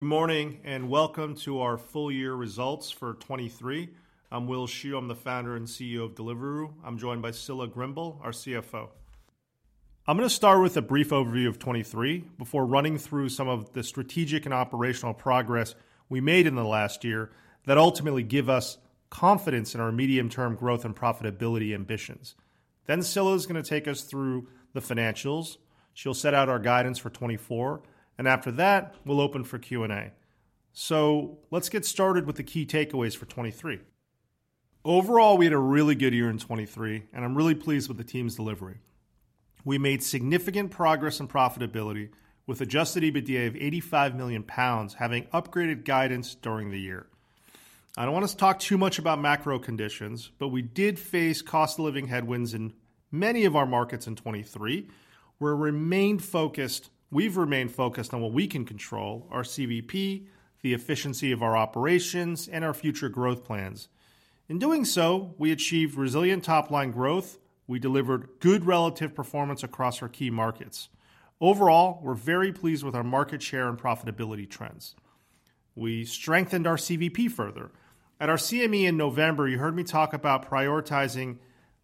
Good morning and welcome to our full year results for 2023. I'm Will Shu, I'm the founder and CEO of Deliveroo. I'm joined by Scilla Grimble, our CFO. I'm going to start with a brief overview of 2023 before running through some of the strategic and operational progress we made in the last year that ultimately give us confidence in our medium-term growth and profitability ambitions. Then Scilla is going to take us through the financials, she'll set out our guidance for 2024, and after that we'll open for Q&A. So let's get started with the key takeaways for 2023. Overall we had a really good year in 2023, and I'm really pleased with the team's delivery. We made significant progress in profitability with adjusted EBITDA of 85 million pounds having upgraded guidance during the year. I don't want to talk too much about macro conditions, but we did face cost of living headwinds in many of our markets in 2023 where we've remained focused on what we can control, our CVP, the efficiency of our operations, and our future growth plans. In doing so we achieved resilient top-line growth, we delivered good relative performance across our key markets. Overall we're very pleased with our market share and profitability trends. We strengthened our CVP further. At our CME in November you heard me talk about prioritizing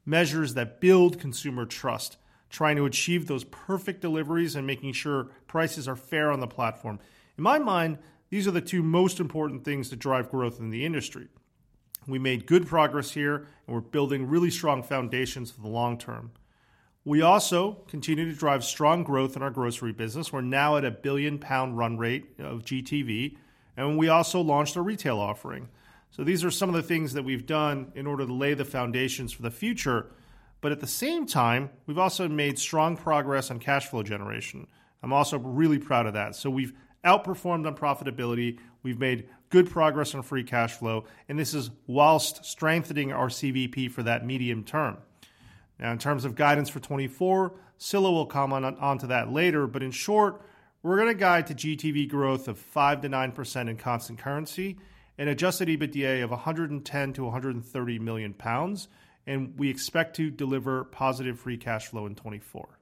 measures that build consumer trust, trying to achieve those perfect deliveries and making sure prices are fair on the platform. In my mind these are the two most important things to drive growth in the industry. We made good progress here and we're building really strong foundations for the long term. We also continue to drive strong growth in our grocery business, we're now at a 1 billion pound run rate of GTV, and we also launched a retail offering. So these are some of the things that we've done in order to lay the foundations for the future, but at the same time we've also made strong progress on cash flow generation. I'm also really proud of that. So we've outperformed on profitability, we've made good progress on free cash flow, and this is whilst strengthening our CVP for that medium term. Now in terms of guidance for 2024, Scilla will come onto that later, but in short we're going to guide to GTV growth of 5%-9% in constant currency, an adjusted EBITDA of 110 million-130 million pounds, and we expect to deliver positive free cash flow in 2024.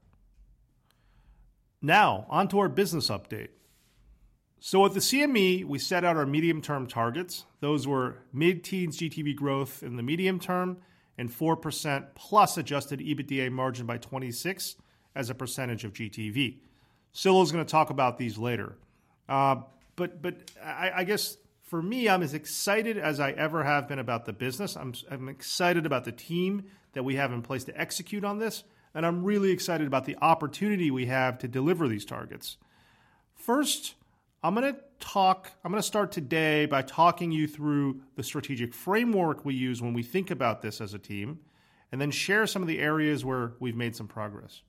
Now onto our business update. So at the CME we set out our medium-term targets, those were mid-teens GTV growth in the medium term, and 4+% adjusted EBITDA margin by 2026 as a percentage of GTV. Scilla is going to talk about these later. But I guess for me I'm as excited as I ever have been about the business, I'm excited about the team that we have in place to execute on this, and I'm really excited about the opportunity we have to deliver these targets. First I'm going to start today by talking you through the strategic framework we use when we think about this as a team, and then share some of the areas where we've made some progress.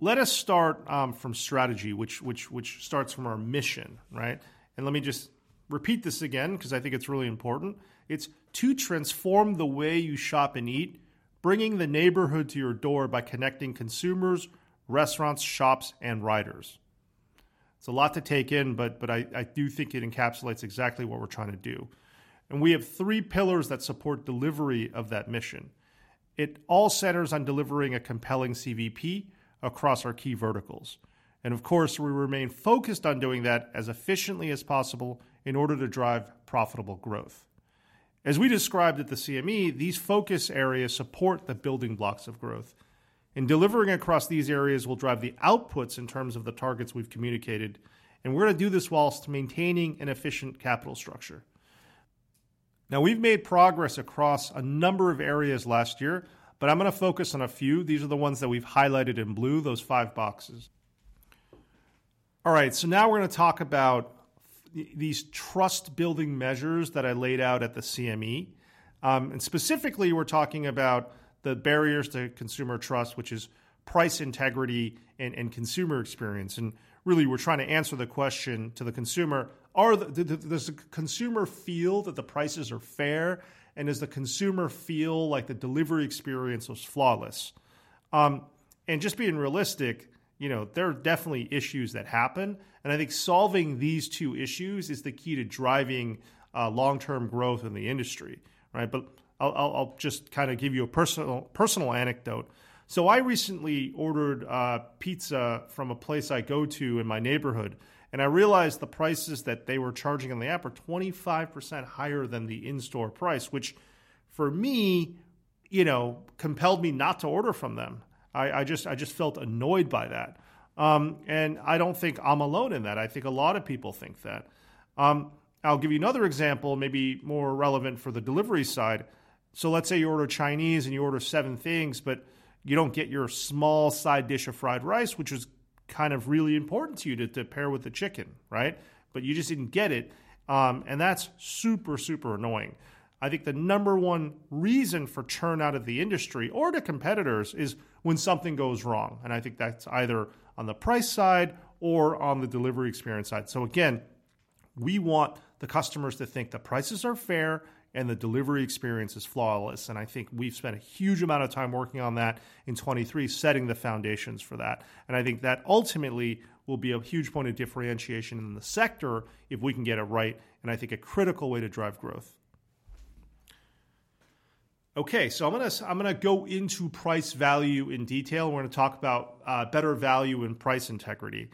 Let us start from strategy, which starts from our mission, and let me just repeat this again because I think it's really important. It's to transform the way you shop and eat, bringing the neighborhood to your door by connecting consumers, restaurants, shops, and riders. It's a lot to take in, but I do think it encapsulates exactly what we're trying to do. We have three pillars that support delivery of that mission. It all centers on delivering a compelling CVP across our key verticals. Of course we remain focused on doing that as efficiently as possible in order to drive profitable growth. As we described at the CME, these focus areas support the building blocks of growth. Delivering across these areas will drive the outputs in terms of the targets we've communicated, and we're going to do this whilst maintaining an efficient capital structure. Now we've made progress across a number of areas last year, but I'm going to focus on a few, these are the ones that we've highlighted in blue, those five boxes. Alright, so now we're going to talk about these trust-building measures that I laid out at the CME. Specifically we're talking about the barriers to consumer trust, which is price integrity and consumer experience. Really we're trying to answer the question to the consumer, does the consumer feel that the prices are fair, and does the consumer feel like the delivery experience was flawless? Just being realistic, there are definitely issues that happen, and I think solving these two issues is the key to driving long-term growth in the industry. But I'll just kind of give you a personal anecdote. I recently ordered pizza from a place I go to in my neighborhood, and I realized the prices that they were charging on the app were 25% higher than the in-store price, which for me compelled me not to order from them. I just felt annoyed by that. I don't think I'm alone in that, I think a lot of people think that. I'll give you another example, maybe more relevant for the delivery side. Let's say you order Chinese and you order seven things, but you don't get your small side dish of fried rice, which was kind of really important to you to pair with the chicken, but you just didn't get it, and that's super, super annoying. I think the number one reason for turnout of the industry, or to competitors, is when something goes wrong, and I think that's either on the price side or on the delivery experience side. So again, we want the customers to think the prices are fair and the delivery experience is flawless, and I think we've spent a huge amount of time working on that in 2023 setting the foundations for that. I think that ultimately will be a huge point of differentiation in the sector if we can get it right, and I think a critical way to drive growth. OK, so I'm going to go into price value in detail, we're going to talk about better value and price integrity.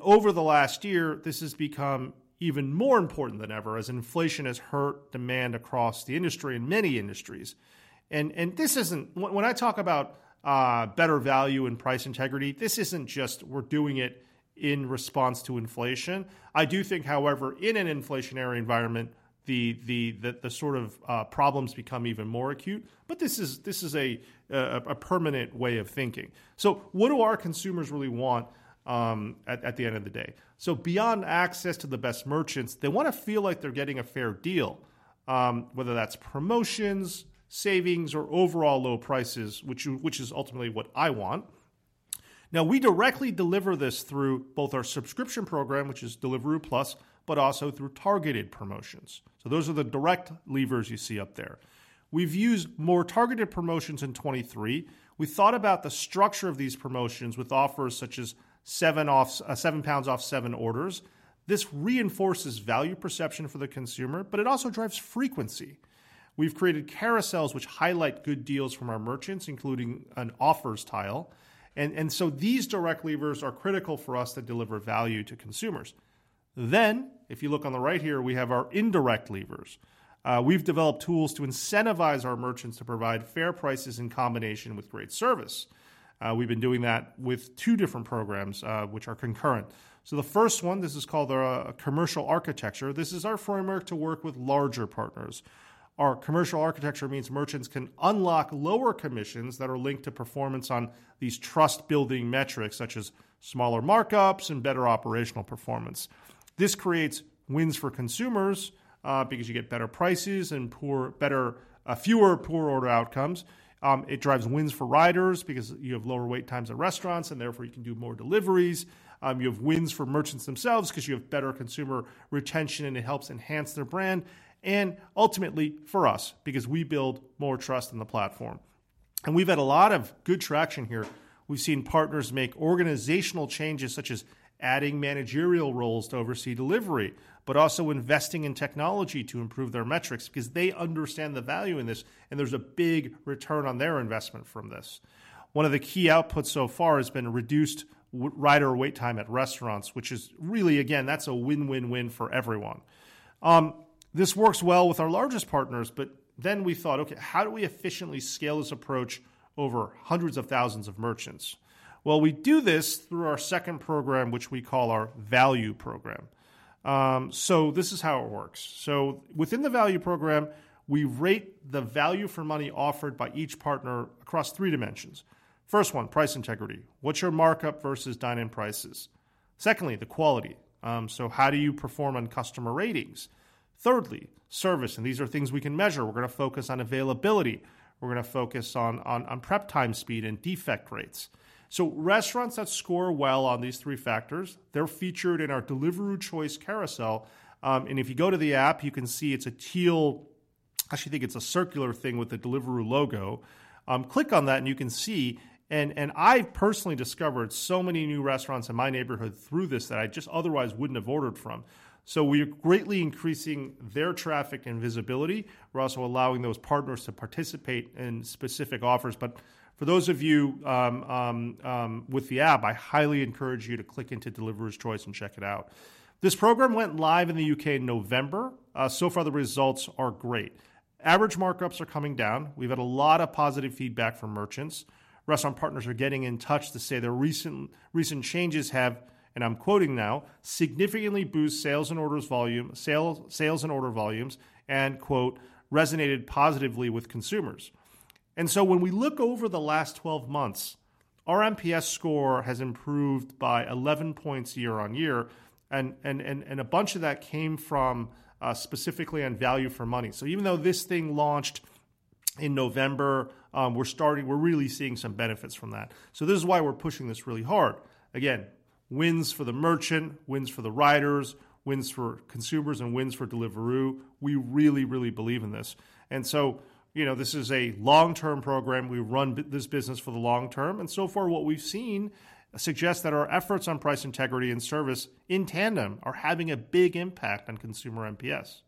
Over the last year this has become even more important than ever as inflation has hurt demand across the industry and many industries. When I talk about better value and price integrity, this isn't just we're doing it in response to inflation. I do think, however, in an inflationary environment the sort of problems become even more acute, but this is a permanent way of thinking. What do our consumers really want at the end of the day? Beyond access to the best merchants, they want to feel like they're getting a fair deal, whether that's promotions, savings, or overall low prices, which is ultimately what I want. We directly deliver this through both our subscription program, which is Deliveroo Plus, but also through targeted promotions. Those are the direct levers you see up there. We've used more targeted promotions in 2023. We thought about the structure of these promotions with offers such as 7 pounds off seven orders. This reinforces value perception for the consumer, but it also drives frequency. We've created carousels which highlight good deals from our merchants, including an offers tile. These direct levers are critical for us to deliver value to consumers. If you look on the right here, we have our indirect levers. We've developed tools to incentivize our merchants to provide fair prices in combination with great service. We've been doing that with two different programs, which are concurrent. The first one, this is called a Commercial Architecture, this is our framework to work with larger partners. Our Commercial Architecture means merchants can unlock lower commissions that are linked to performance on these trust-building metrics such as smaller markups and better operational performance. This creates wins for consumers because you get better prices and fewer poor order outcomes. It drives wins for riders because you have lower wait times at restaurants and therefore you can do more deliveries. You have wins for merchants themselves because you have better consumer retention and it helps enhance their brand. And ultimately for us, because we build more trust in the platform. And we've had a lot of good traction here. We've seen partners make organizational changes such as adding managerial roles to oversee delivery, but also investing in technology to improve their metrics because they understand the value in this and there's a big return on their investment from this. One of the key outputs so far has been reduced rider wait time at restaurants, which is really, again, that's a win-win-win for everyone. This works well with our largest partners, but then we thought, OK, how do we efficiently scale this approach over hundreds of thousands of merchants? Well, we do this through our second program, which we call our value program. This is how it works. Within the value program we rate the value for money offered by each partner across three dimensions. First one, price integrity. What's your markup versus dine-in prices? Secondly, the quality. So how do you perform on customer ratings? Thirdly, service, and these are things we can measure. We're going to focus on availability. We're going to focus on prep time speed and defect rates. Restaurants that score well on these three factors, they're featured in our Deliveroo Choice carousel, and if you go to the app you can see it's a teal, actually I think it's a circular thing with the Deliveroo logo. Click on that and you can see, and I've personally discovered so many new restaurants in my neighborhood through this that I just otherwise wouldn't have ordered from. So we are greatly increasing their traffic and visibility. We're also allowing those partners to participate in specific offers, but for those of you with the app, I highly encourage you to click into Deliveroo's Choice and check it out. This program went live in the U.K. in November. So far the results are great. Average markups are coming down. We've had a lot of positive feedback from merchants. Restaurant partners are getting in touch to say their recent changes have, and I'm quoting now, "significantly boosted sales and order volumes" and "resonated positively with consumers." So when we look over the last 12 months, our NPS score has improved by 11 points year-on-year, and a bunch of that came from specifically on value for money. So even though this thing launched in November, we're really seeing some benefits from that. So this is why we're pushing this really hard. Again, wins for the merchant, wins for the riders, wins for consumers, and wins for Deliveroo. We really, really believe in this. And so this is a long-term program, we run this business for the long term, and so far what we've seen suggests that our efforts on price integrity and service in tandem are having a big impact on consumer NPS.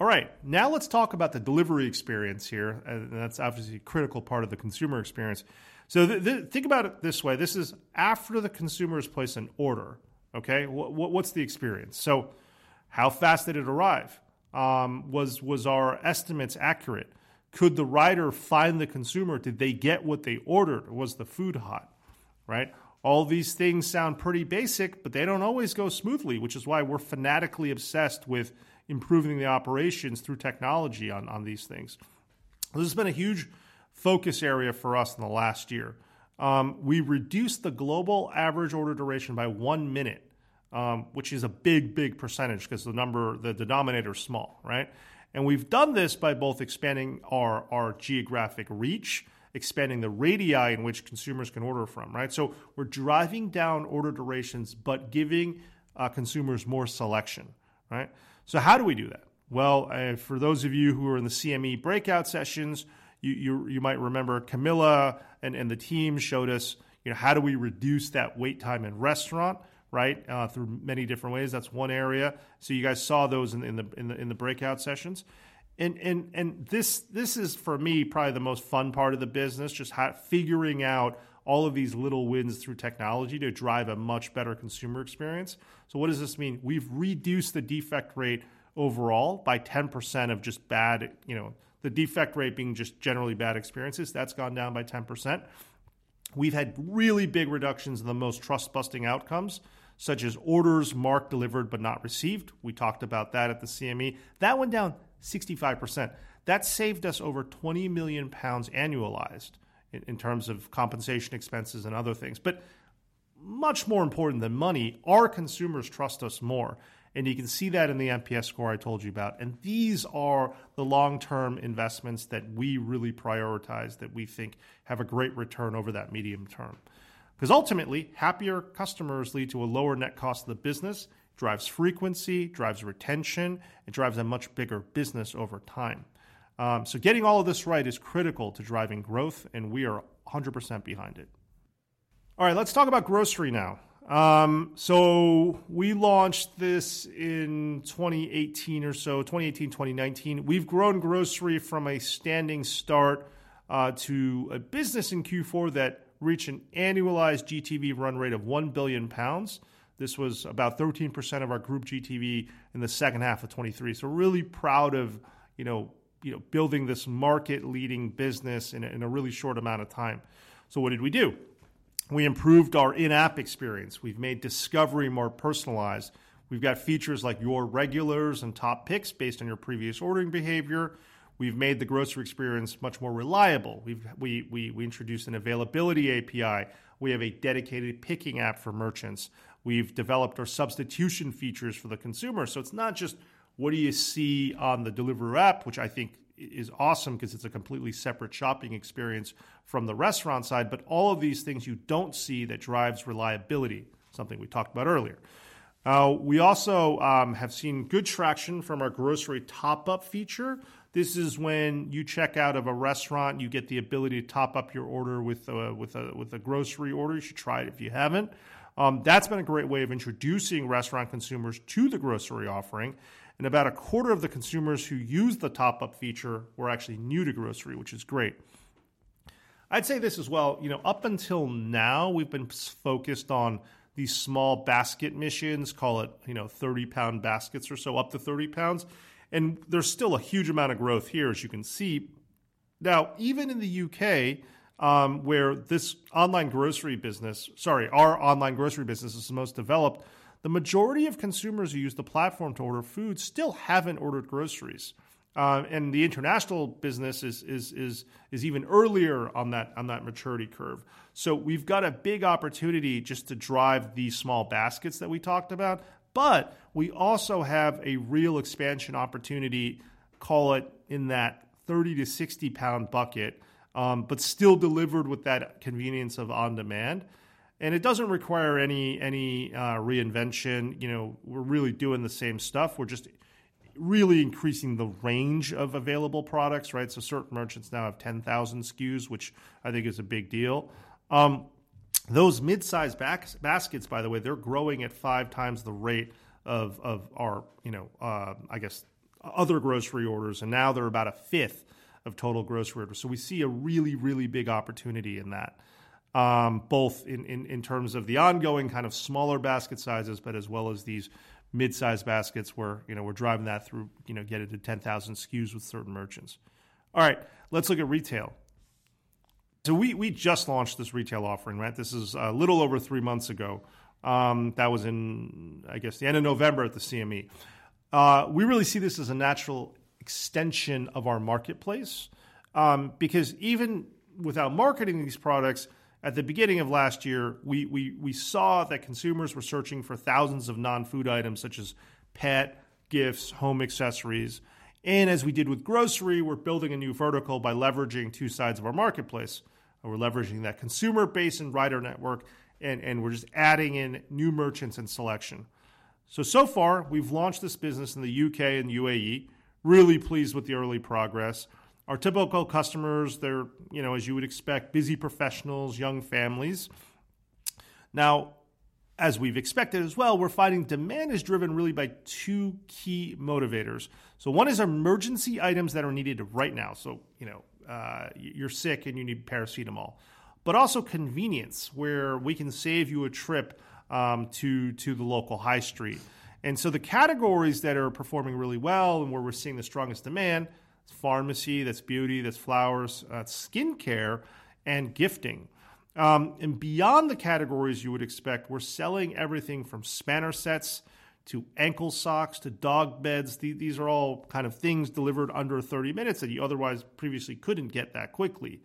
Alright, now let's talk about the delivery experience here, and that's obviously a critical part of the consumer experience. So think about it this way, this is after the consumer has placed an order. OK, what's the experience? So how fast did it arrive? Was our estimates accurate? Could the rider find the consumer? Did they get what they ordered? Was the food hot? All these things sound pretty basic, but they don't always go smoothly, which is why we're fanatically obsessed with improving the operations through technology on these things. This has been a huge focus area for us in the last year. We reduced the global average order duration by 1 minute, which is a big, big percentage because the denominator is small. And we've done this by both expanding our geographic reach, expanding the radii in which consumers can order from. So we're driving down order durations but giving consumers more selection. So how do we do that? Well, for those of you who are in the CME breakout sessions, you might remember Camilla and the team showed us how do we reduce that wait time in restaurant through many different ways, that's one area. So you guys saw those in the breakout sessions. And this is for me probably the most fun part of the business, just figuring out all of these little wins through technology to drive a much better consumer experience. So what does this mean? We've reduced the defect rate overall by 10% of just bad, the defect rate being just generally bad experiences, that's gone down by 10%. We've had really big reductions in the most trust-busting outcomes, such as orders marked delivered but not received. We talked about that at the CME. That went down 65%. That saved us over 20 million pounds annualized in terms of compensation expenses and other things. But much more important than money, our consumers trust us more, and you can see that in the NPS score I told you about, and these are the long-term investments that we really prioritize, that we think have a great return over that medium term. Because ultimately, happier customers lead to a lower net cost of the business, drives frequency, drives retention, and drives a much bigger business over time. So getting all of this right is critical to driving growth, and we are 100% behind it. Alright, let's talk about grocery now. We launched this in 2018 or so, 2018, 2019. We've grown grocery from a standing start to a business in Q4 that reached an annualized GTV run rate of 1 billion pounds. This was about 13% of our group GTV in the second half of 2023. So really proud of building this market-leading business in a really short amount of time. So what did we do? We improved our in-app experience. We've made discovery more personalized. We've got features like your regulars and top picks based on your previous ordering behavior. We've made the grocery experience much more reliable. We introduced an availability API. We have a dedicated picking app for merchants. We've developed our substitution features for the consumer. So it's not just what do you see on the Deliveroo app, which I think is awesome because it's a completely separate shopping experience from the restaurant side, but all of these things you don't see that drives reliability, something we talked about earlier. We also have seen good traction from our grocery top-up feature. This is when you check out of a restaurant, you get the ability to top up your order with a grocery order. You should try it if you haven't. That's been a great way of introducing restaurant consumers to the grocery offering, and about a quarter of the consumers who use the top-up feature were actually new to grocery, which is great. I'd say this as well, up until now we've been focused on these small basket missions, call it 30 pound- baskets or so, up to 30 pounds, and there's still a huge amount of growth here as you can see. Now, even in the U.K., where this online grocery business, sorry, our online grocery business is the most developed, the majority of consumers who use the platform to order food still haven't ordered groceries. The international business is even earlier on that maturity curve. So we've got a big opportunity just to drive these small baskets that we talked about, but we also have a real expansion opportunity, call it in that 30-60 pound bucket, but still delivered with that convenience of on-demand. And it doesn't require any reinvention. We're really doing the same stuff. We're just really increasing the range of available products. So certain merchants now have 10,000 SKUs, which I think is a big deal. Those midsize baskets, by the way, they're growing at five times the rate of our, I guess, other grocery orders, and now they're about a fifth of total grocery orders. So we see a really, really big opportunity in that, both in terms of the ongoing kind of smaller basket sizes, but as well as these midsize baskets where we're driving that through, get it to 10,000 SKUs with certain merchants. Alright, let's look at retail. So we just launched this retail offering, right? This is a little over 3 months ago. That was in, I guess, the end of November at the CME. We really see this as a natural extension of our marketplace because even without marketing these products, at the beginning of last year, we saw that consumers were searching for thousands of non-food items such as pet, gifts, home accessories. And as we did with grocery, we're building a new vertical by leveraging two sides of our marketplace. We're leveraging that consumer base and rider network, and we're just adding in new merchants and selection. So far, we've launched this business in the U.K. and the U.A.E., really pleased with the early progress. Our typical customers, they're, as you would expect, busy professionals, young families. Now, as we've expected as well, we're finding demand is driven really by two key motivators. So one is emergency items that are needed right now. So you're sick and you need paracetamol. But also convenience, where we can save you a trip to the local high street. And so the categories that are performing really well and where we're seeing the strongest demand, it's pharmacy, that's beauty, that's flowers, that's skincare, and gifting. And beyond the categories you would expect, we're selling everything from spanner sets to ankle socks to dog beds. These are all kind of things delivered under 30 minutes that you otherwise previously couldn't get that quickly.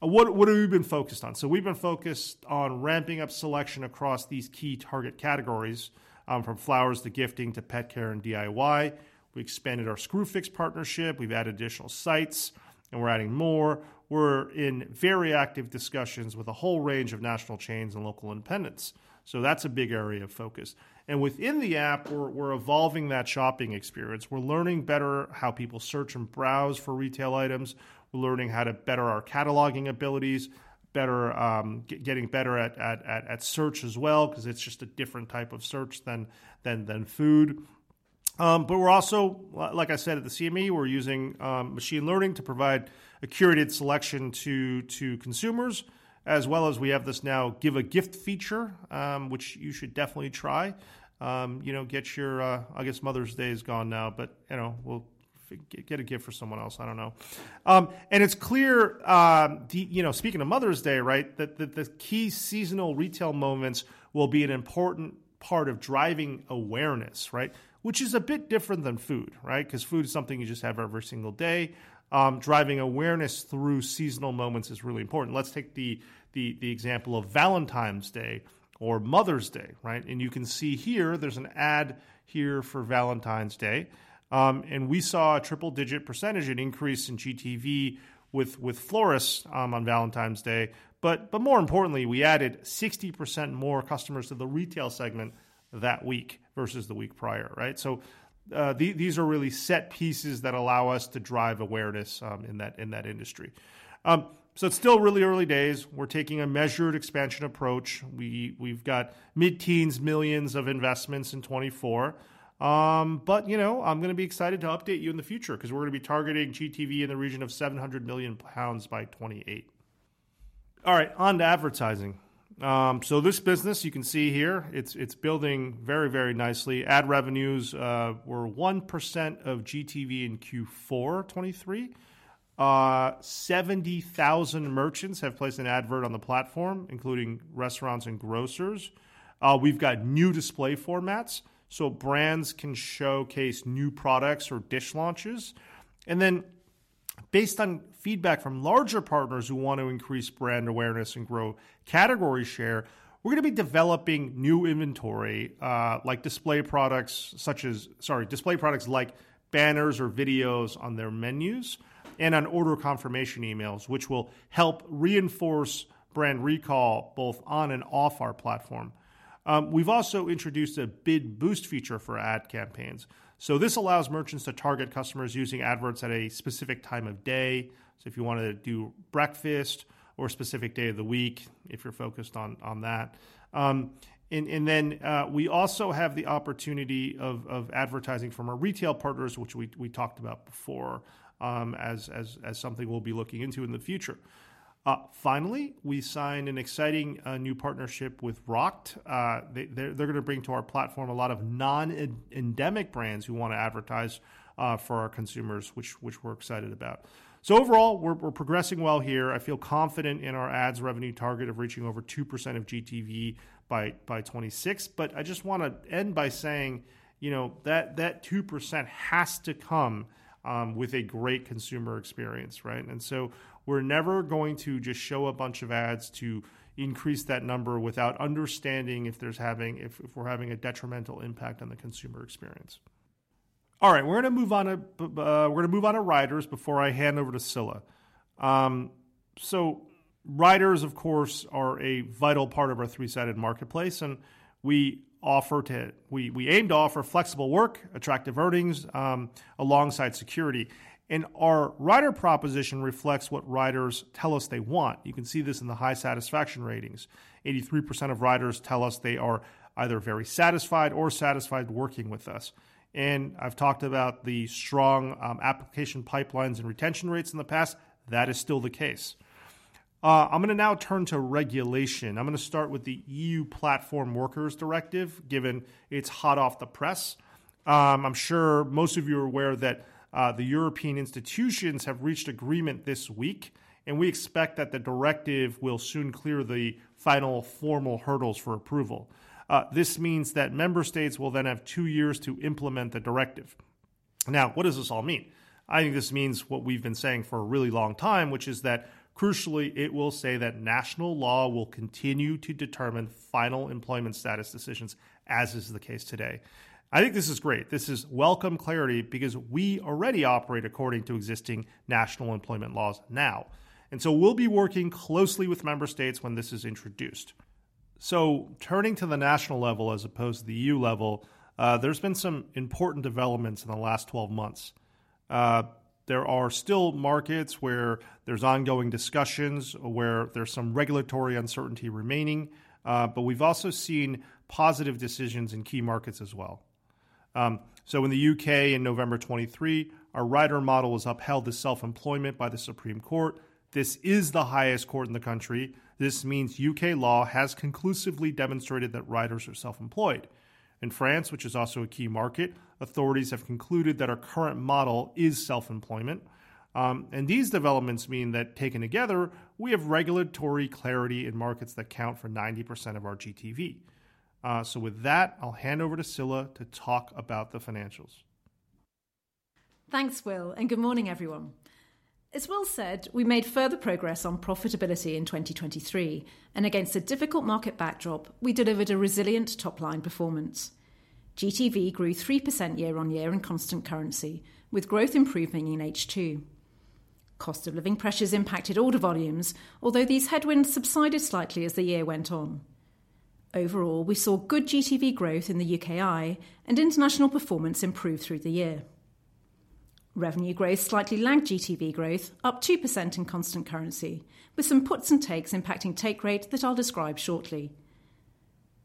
What have we been focused on? So we've been focused on ramping up selection across these key target categories, from flowers to gifting to pet care and DIY. We expanded our Screwfix partnership. We've added additional sites, and we're adding more. We're in very active discussions with a whole range of national chains and local independents. So that's a big area of focus. And within the app, we're evolving that shopping experience. We're learning better how people search and browse for retail items. We're learning how to better our cataloging abilities, getting better at search as well because it's just a different type of search than food. But we're also, like I said at the CME, we're using machine learning to provide accurate selection to consumers, as well as we have this now give-a-gift feature, which you should definitely try. Get your, I guess, Mother's Day is gone now, but we'll get a gift for someone else. I don't know. It's clear, speaking of Mother's Day, that the key seasonal retail moments will be an important part of driving awareness, which is a bit different than food, because food is something you just have every single day. Driving awareness through seasonal moments is really important. Let's take the example of Valentine's Day or Mother's Day. You can see here there's an ad here for Valentine's Day. We saw a triple-digit percentage increase in GTV with Floris on Valentine's Day. But more importantly, we added 60% more customers to the retail segment that week versus the week prior. These are really set pieces that allow us to drive awareness in that industry. It's still really early days. We're taking a measured expansion approach. We've got mid-teens millions of investments in 2024. But I'm going to be excited to update you in the future because we're going to be targeting GTV in the region of 700 million pounds by 2028. Alright, on to advertising. This business, you can see here, it's building very, very nicely. Ad revenues were 1% of GTV in Q4 2023. 70,000 merchants have placed an advert on the platform, including restaurants and grocers. We've got new display formats, so brands can showcase new products or dish launches. Then based on feedback from larger partners who want to increase brand awareness and grow category share, we're going to be developing new inventory like display products such as, sorry, display products like banners or videos on their menus and on order confirmation emails, which will help reinforce brand recall both on and off our platform. We've also introduced a bid boost feature for ad campaigns. So this allows merchants to target customers using adverts at a specific time of day. So if you want to do breakfast or a specific day of the week, if you're focused on that. And then we also have the opportunity of advertising from our retail partners, which we talked about before as something we'll be looking into in the future. Finally, we signed an exciting new partnership with Rokt. They're going to bring to our platform a lot of non-endemic brands who want to advertise for our consumers, which we're excited about. So overall, we're progressing well here. I feel confident in our ads revenue target of reaching over 2% of GTV by 2026. But I just want to end by saying that 2% has to come with a great consumer experience. And so we're never going to just show a bunch of ads to increase that number without understanding if we're having a detrimental impact on the consumer experience. Alright, we're going to move on to Riders before I hand over to Scilla. Riders, of course, are a vital part of our three-sided marketplace, and we aim to offer flexible work, attractive earnings, alongside security. And our rider proposition reflects what riders tell us they want. You can see this in the high satisfaction ratings. 83% of riders tell us they are either very satisfied or satisfied working with us. And I've talked about the strong application pipelines and retention rates in the past. That is still the case. I'm going to now turn to regulation. I'm going to start with the EU Platform Workers Directive, given it's hot off the press. I'm sure most of you are aware that the European institutions have reached agreement this week, and we expect that the directive will soon clear the final formal hurdles for approval. This means that member states will then have two years to implement the directive. Now, what does this all mean? I think this means what we've been saying for a really long time, which is that crucially it will say that national law will continue to determine final employment status decisions as is the case today. I think this is great. This is welcome clarity because we already operate according to existing national employment laws now. And so we'll be working closely with member states when this is introduced. So turning to the national level as opposed to the EU level, there's been some important developments in the last 12 months. There are still markets where there's ongoing discussions, where there's some regulatory uncertainty remaining, but we've also seen positive decisions in key markets as well. So in the U.K., in November 2023, our rider model was upheld as self-employment by the Supreme Court. This is the highest court in the country. This means UK law has conclusively demonstrated that riders are self-employed. In France, which is also a key market, authorities have concluded that our current model is self-employment. And these developments mean that taken together, we have regulatory clarity in markets that count for 90% of our GTV. So with that, I'll hand over to Scilla to talk about the financials. Thanks, Will, and good morning, everyone. As Will said, we made further progress on profitability in 2023, and against a difficult market backdrop, we delivered a resilient top-line performance. GTV grew 3% year-on-year in constant currency, with growth improving in H2. Cost of living pressures impacted order volumes, although these headwinds subsided slightly as the year went on. Overall, we saw good GTV growth in the UK and UAE, and international performance improved through the year. Revenue growth slightly lagged GTV growth, up 2% in constant currency, with some puts and takes impacting take rate that I'll describe shortly.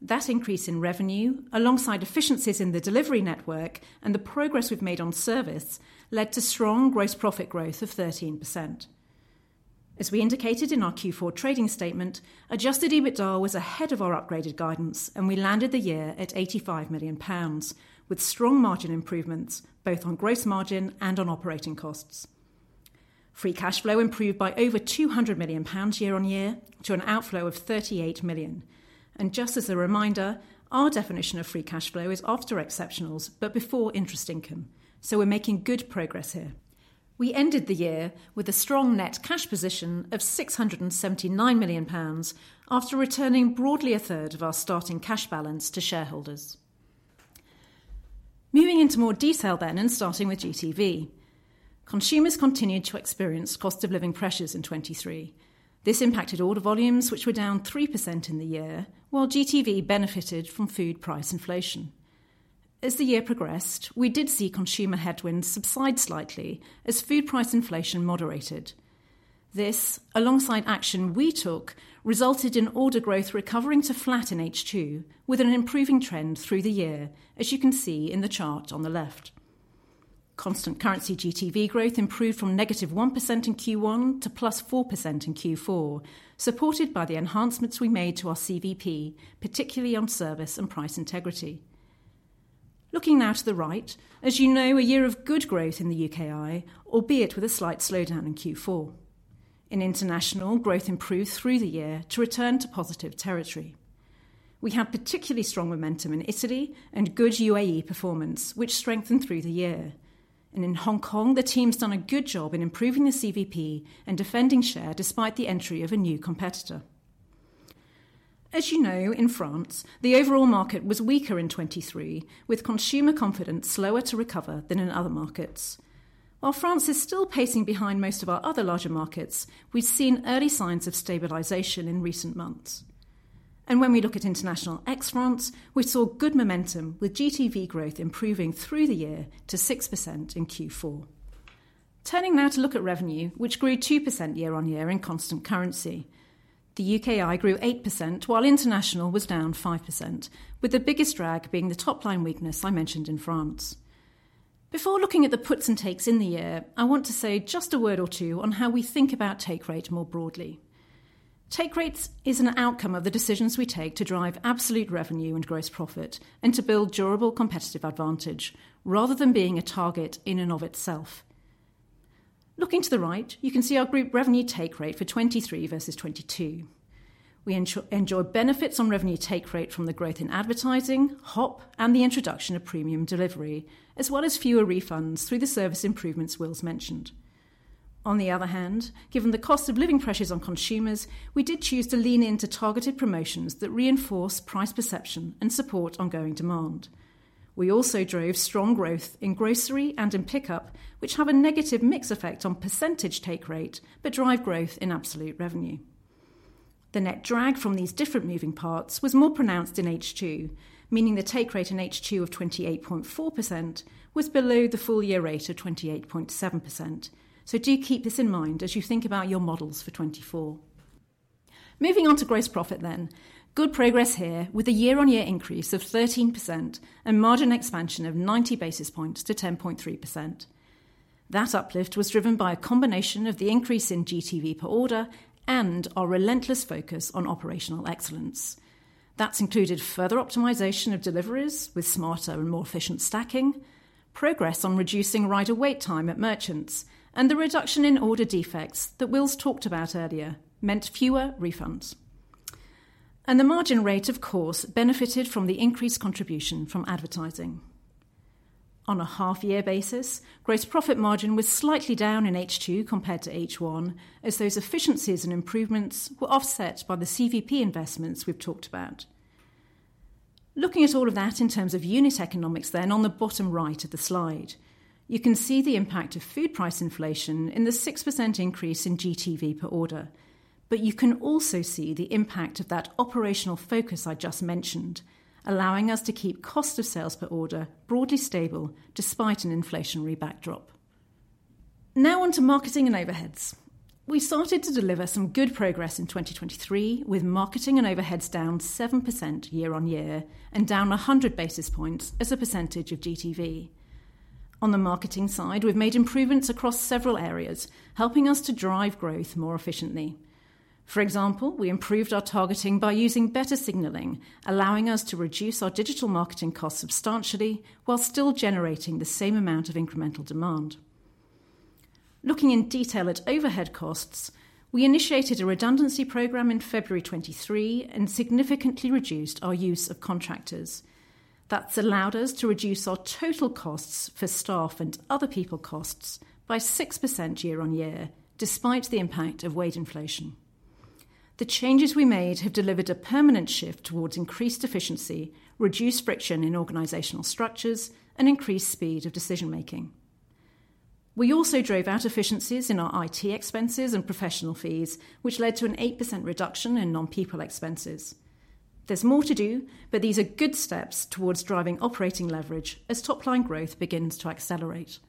That increase in revenue, alongside efficiencies in the delivery network and the progress we've made on service, led to strong gross profit growth of 13%. As we indicated in our Q4 trading statement, adjusted EBITDA was ahead of our upgraded guidance, and we landed the year at GBP 85 million, with strong margin improvements both on gross margin and on operating costs. Free cash flow improved by over 200 million pounds year-on-year to an outflow of 38 million. Just as a reminder, our definition of free cash flow is after exceptionals but before interest income, so we're making good progress here. We ended the year with a strong net cash position of 679 million pounds after returning broadly a third of our starting cash balance to shareholders. Moving into more detail then and starting with GTV. Consumers continued to experience cost of living pressures in 2023. This impacted order volumes, which were down 3% in the year, while GTV benefited from food price inflation. As the year progressed, we did see consumer headwinds subside slightly as food price inflation moderated. This, alongside action we took, resulted in order growth recovering to flat in H2, with an improving trend through the year, as you can see in the chart on the left. Constant currency GTV growth improved from -1% in Q1 to +4% in Q4, supported by the enhancements we made to our CVP, particularly on service and price integrity. Looking now to the right, as you know, a year of good growth in the UKI, albeit with a slight slowdown in Q4. In international, growth improved through the year to return to positive territory. We had particularly strong momentum in Italy and good U.A.E. performance, which strengthened through the year. In Hong Kong, the team's done a good job in improving the CVP and defending share despite the entry of a new competitor. As you know, in France, the overall market was weaker in 2023, with consumer confidence slower to recover than in other markets. While France is still pacing behind most of our other larger markets, we've seen early signs of stabilization in recent months. When we look at international ex-France, we saw good momentum, with GTV growth improving through the year to 6% in Q4. Turning now to look at revenue, which grew 2% year-on-year in constant currency. The UKI grew 8%, while international was down 5%, with the biggest drag being the top-line weakness I mentioned in France. Before looking at the puts and takes in the year, I want to say just a word or two on how we think about take rate more broadly. Take rate is an outcome of the decisions we take to drive absolute revenue and gross profit and to build durable competitive advantage, rather than being a target in and of itself. Looking to the right, you can see our group revenue take rate for 2023 versus 2022. We enjoy benefits on revenue take rate from the growth in advertising, HOP, and the introduction of premium delivery, as well as fewer refunds through the service improvements Will's mentioned. On the other hand, given the cost of living pressures on consumers, we did choose to lean into targeted promotions that reinforce price perception and support ongoing demand. We also drove strong growth in grocery and in pickup, which have a negative mix effect on percentage take rate but drive growth in absolute revenue. The net drag from these different moving parts was more pronounced in H2, meaning the take rate in H2 of 28.4% was below the full-year rate of 28.7%. So do keep this in mind as you think about your models for 2024. Moving on to gross profit then, good progress here with a year-on-year increase of 13% and margin expansion of 90 basis points to 10.3%. That uplift was driven by a combination of the increase in GTV per order and our relentless focus on operational excellence. That's included further optimization of deliveries with smarter and more efficient stacking, progress on reducing rider wait time at merchants, and the reduction in order defects that Will's talked about earlier meant fewer refunds. The margin rate, of course, benefited from the increased contribution from advertising. On a half-year basis, gross profit margin was slightly down in H2 compared to H1, as those efficiencies and improvements were offset by the CVP investments we've talked about. Looking at all of that in terms of unit economics then on the bottom right of the slide, you can see the impact of food price inflation in the 6% increase in GTV per order. But you can also see the impact of that operational focus I just mentioned, allowing us to keep cost of sales per order broadly stable despite an inflationary backdrop. Now on to marketing and overheads. We started to deliver some good progress in 2023, with marketing and overheads down 7% year-on-year and down 100 basis points as a percentage of GTV. On the marketing side, we've made improvements across several areas, helping us to drive growth more efficiently. For example, we improved our targeting by using better signalling, allowing us to reduce our digital marketing costs substantially while still generating the same amount of incremental demand. Looking in detail at overhead costs, we initiated a redundancy program in February 2023 and significantly reduced our use of contractors. That's allowed us to reduce our total costs for staff and other people costs by 6% year-on-year, despite the impact of wage inflation. The changes we made have delivered a permanent shift towards increased efficiency, reduced friction in organizational structures, and increased speed of decision-making. We also drove out efficiencies in our IT expenses and professional fees, which led to an 8% reduction in non-people expenses. There's more to do, but these are good steps towards driving operating leverage as top-line growth begins to accelerate.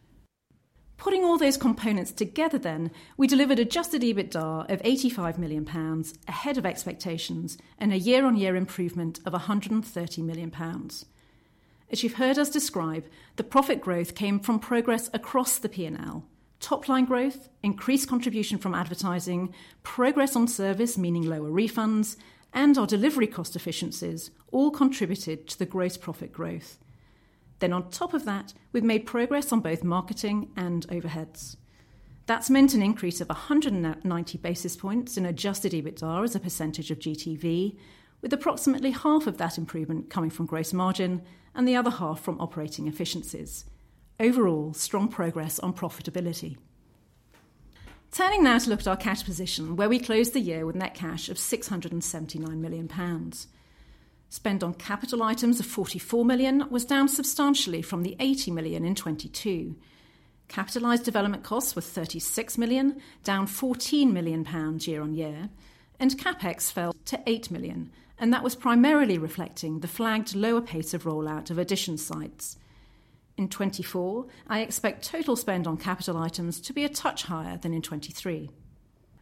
Putting all those components together then, we delivered adjusted EBITDA of 85 million pounds ahead of expectations and a year-on-year improvement of 130 million pounds. As you've heard us describe, the profit growth came from progress across the P&L: top-line growth, increased contribution from advertising, progress on service meaning lower refunds, and our delivery cost efficiencies all contributed to the gross profit growth. Then on top of that, we've made progress on both marketing and overheads. That's meant an increase of 190 basis points in adjusted EBITDA as a percentage of GTV, with approximately half of that improvement coming from gross margin and the other half from operating efficiencies. Overall, strong progress on profitability. Turning now to look at our cash position, where we closed the year with net cash of 679 million pounds. Spend on capital items of 44 million was down substantially from the 80 million in 2022. Capitalized development costs were 36 million, down 14 million pounds year on year, and CapEx fell to 8 million, and that was primarily reflecting the flagged lower pace of rollout of additional sites. In 2024, I expect total spend on capital items to be a touch higher than in 2023.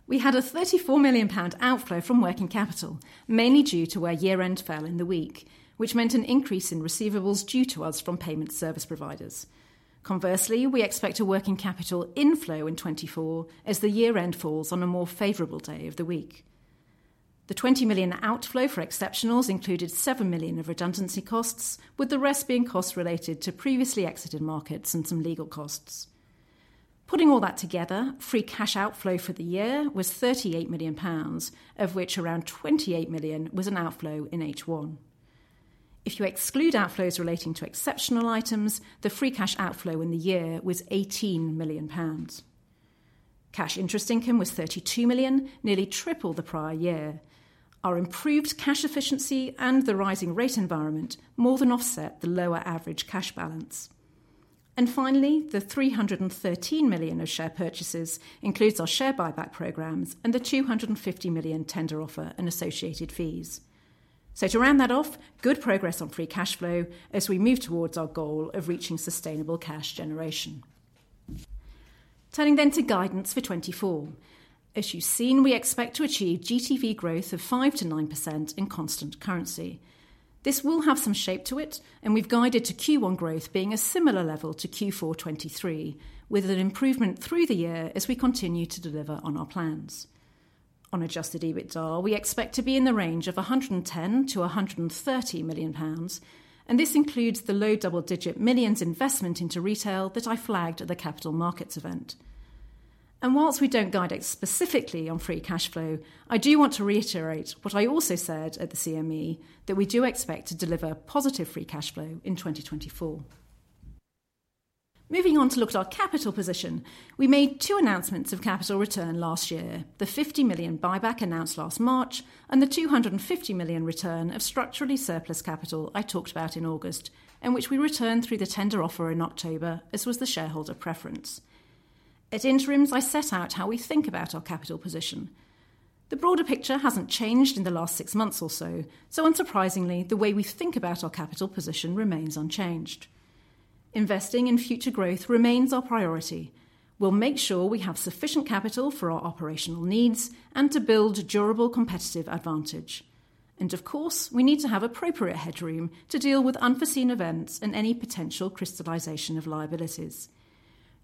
We had a 34 million pound outflow from working capital, mainly due to where year-end fell in the week, which meant an increase in receivables due to us from payment service providers. Conversely, we expect a working capital inflow in 2024 as the year-end falls on a more favorable day of the week. The 20 million outflow for exceptionals included 7 million of redundancy costs, with the rest being costs related to previously exited markets and some legal costs. Putting all that together, free cash outflow for the year was 38 million pounds, of which around 28 million was an outflow in H1. If you exclude outflows relating to exceptional items, the free cash outflow in the year was 18 million pounds. Cash interest income was 32 million, nearly triple the prior year. Our improved cash efficiency and the rising rate environment more than offset the lower average cash balance. Finally, the 313 million of share purchases includes our share buyback programs and the 250 million tender offer and associated fees. To round that off, good progress on free cash flow as we move towards our goal of reaching sustainable cash generation. Turning to guidance for 2024. As you've seen, we expect to achieve GTV growth of 5%-9% in constant currency. This will have some shape to it, and we've guided to Q1 growth being a similar level to Q4 2023, with an improvement through the year as we continue to deliver on our plans. On adjusted EBITDA, we expect to be in the range of GBP 110 million-GBP 130 million, and this includes the low double-digit millions investment into retail that I flagged at the Capital Markets event. While we don't guide it specifically on free cash flow, I do want to reiterate what I also said at the CME, that we do expect to deliver positive free cash flow in 2024. Moving on to look at our capital position, we made two announcements of capital return last year: the 50 million buyback announced last March and the 250 million return of structurally surplus capital I talked about in August, and which we returned through the tender offer in October as was the shareholder preference. At interims, I set out how we think about our capital position. The broader picture hasn't changed in the last six months or so, so unsurprisingly, the way we think about our capital position remains unchanged. Investing in future growth remains our priority. We'll make sure we have sufficient capital for our operational needs and to build durable competitive advantage. Of course, we need to have appropriate headroom to deal with unforeseen events and any potential crystallization of liabilities.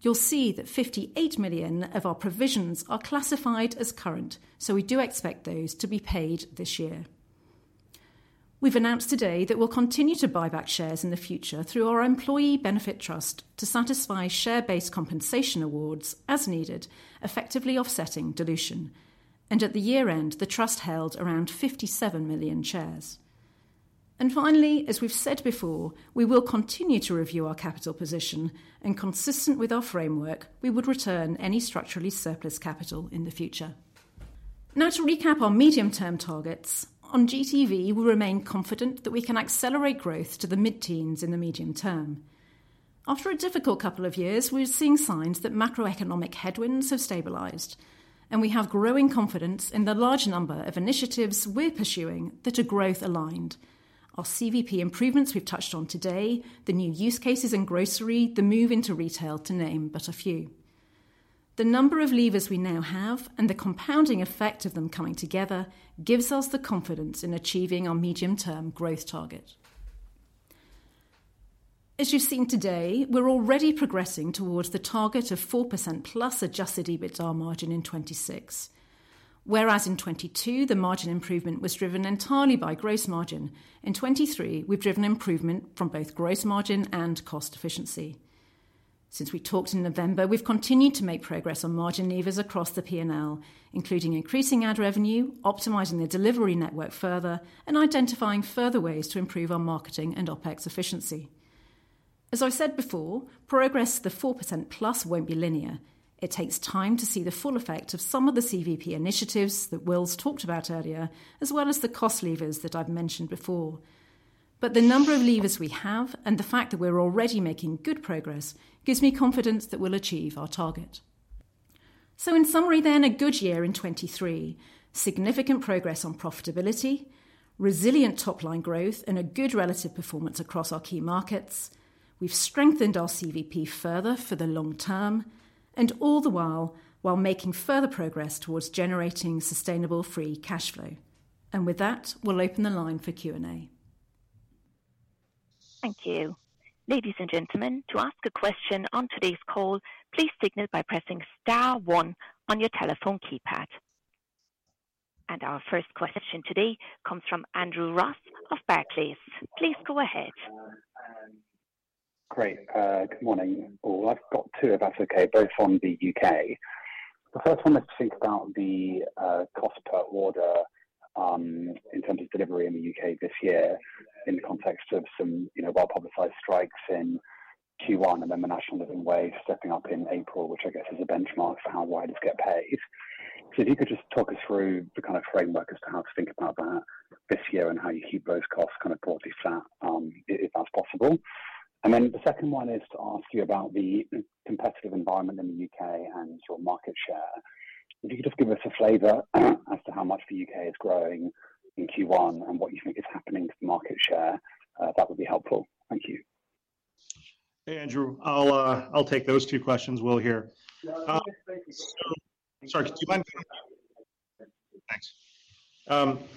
You'll see that 58 million of our provisions are classified as current, so we do expect those to be paid this year. We've announced today that we'll continue to buyback shares in the future through our Employee Benefit Trust to satisfy share-based compensation awards as needed, effectively offsetting dilution. And at the year-end, the trust held around 57 million shares. And finally, as we've said before, we will continue to review our capital position, and consistent with our framework, we would return any structurally surplus capital in the future. Now to recap our medium-term targets. On GTV, we remain confident that we can accelerate growth to the mid-teens in the medium term. After a difficult couple of years, we're seeing signs that macroeconomic headwinds have stabilized, and we have growing confidence in the large number of initiatives we're pursuing that are growth-aligned: our CVP improvements we've touched on today, the new use cases in grocery, the move into retail to name but a few. The number of levers we now have and the compounding effect of them coming together gives us the confidence in achieving our medium-term growth target. As you've seen today, we're already progressing towards the target of 4%+ adjusted EBITDA margin in 2026. Whereas in 2022, the margin improvement was driven entirely by gross margin, in 2023 we've driven improvement from both gross margin and cost efficiency. Since we talked in November, we've continued to make progress on margin levers across the P&L, including increasing ad revenue, optimizing the delivery network further, and identifying further ways to improve our marketing and OpEx efficiency. As I've said before, progress to the 4+% won't be linear. It takes time to see the full effect of some of the CVP initiatives that Will's talked about earlier, as well as the cost levers that I've mentioned before. But the number of levers we have and the fact that we're already making good progress gives me confidence that we'll achieve our target. So in summary then, a good year in 2023: significant progress on profitability, resilient top-line growth, and a good relative performance across our key markets. We've strengthened our CVP further for the long term, and all the while, while making further progress towards generating sustainable free cash flow. And with that, we'll open the line for Q&A. Thank you. Ladies and gentlemen, to ask a question on today's call, please signal by pressing star one on your telephone keypad. Our first question today comes from Andrew Ross of Barclays. Please go ahead. Great. Good morning, all. I've got two if that's okay, both from the U.K. The first one is to think about the cost per order in terms of delivery in the U.K. this year in the context of some well-publicized strikes in Q1 and then the National Living Wage stepping up in April, which I guess is a benchmark for how riders get paid. So if you could just talk us through the kind of framework as to how to think about that this year and how you keep those costs kind of broadly flat if that's possible. And then the second one is to ask you about the competitive environment in the U.K. and your market share. If you could just give us a flavor as to how much the U.K. is growing in Q1 and what you think is happening to the market share, that would be helpful. Thank you. Hey, Andrew. I'll take those two questions, Will, here. Sorry, could you mind going back? Thanks.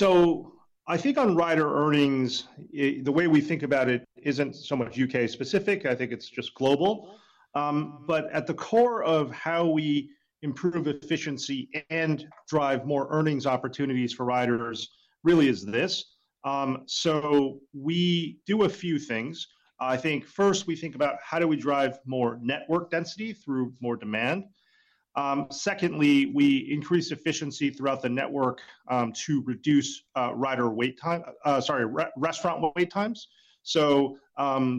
So I think on rider earnings, the way we think about it isn't so much U.K.-specific. I think it's just global. But at the core of how we improve efficiency and drive more earnings opportunities for riders really is this. So we do a few things. I think first, we think about how do we drive more network density through more demand. Secondly, we increase efficiency throughout the network to reduce rider wait time sorry, restaurant wait times. So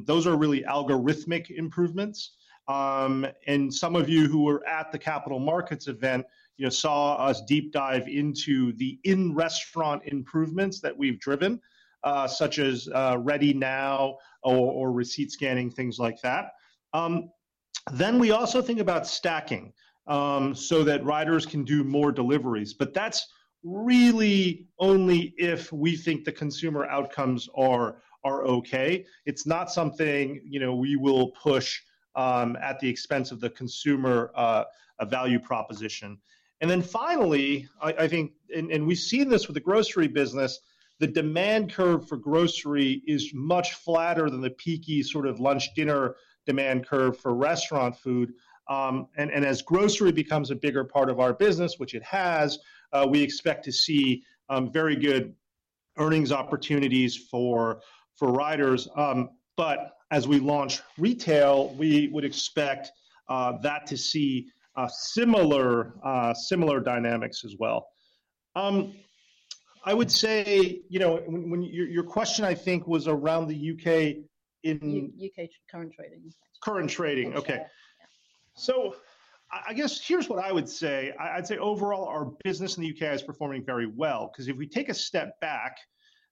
those are really algorithmic improvements. And some of you who were at the Capital Markets Event saw us deep dive into the in-restaurant improvements that we've driven, such as Ready Now or receipt scanning, things like that. Then we also think about stacking so that riders can do more deliveries. But that's really only if we think the consumer outcomes are okay. It's not something we will push at the expense of the Consumer Value Proposition. And then finally, I think and we've seen this with the grocery business, the demand curve for grocery is much flatter than the peaky sort of lunch-dinner demand curve for restaurant food. And as grocery becomes a bigger part of our business, which it has, we expect to see very good earnings opportunities for riders. But as we launch retail, we would expect that to see similar dynamics as well. I would say your question, I think, was around the U.K. in U.K. current trading. Current trading. Okay. So I guess here's what I would say. I'd say overall, our business in the U.K. is performing very well. Because if we take a step back,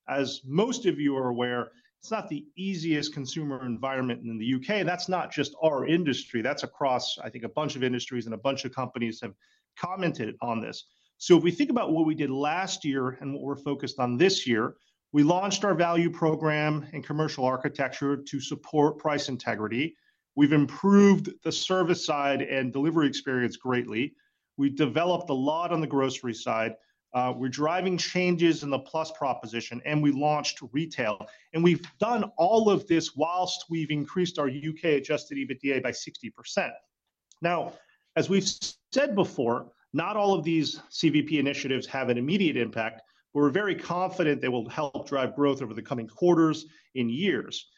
as most of you are aware, it's not the easiest consumer environment in the U.K. And that's not just our industry. That's across, I think, a bunch of industries and a bunch of companies have commented on this. So if we think about what we did last year and what we're focused on this year, we launched our value program and commercial architecture to support price integrity. We've improved the service side and delivery experience greatly. We've developed a lot on the grocery side. We're driving changes in the plus proposition, and we launched retail. We've done all of this while we've increased our U.K. adjusted EBITDA by 60%. Now, as we've said before, not all of these CVP initiatives have an immediate impact, but we're very confident they will help drive growth over the coming quarters and years.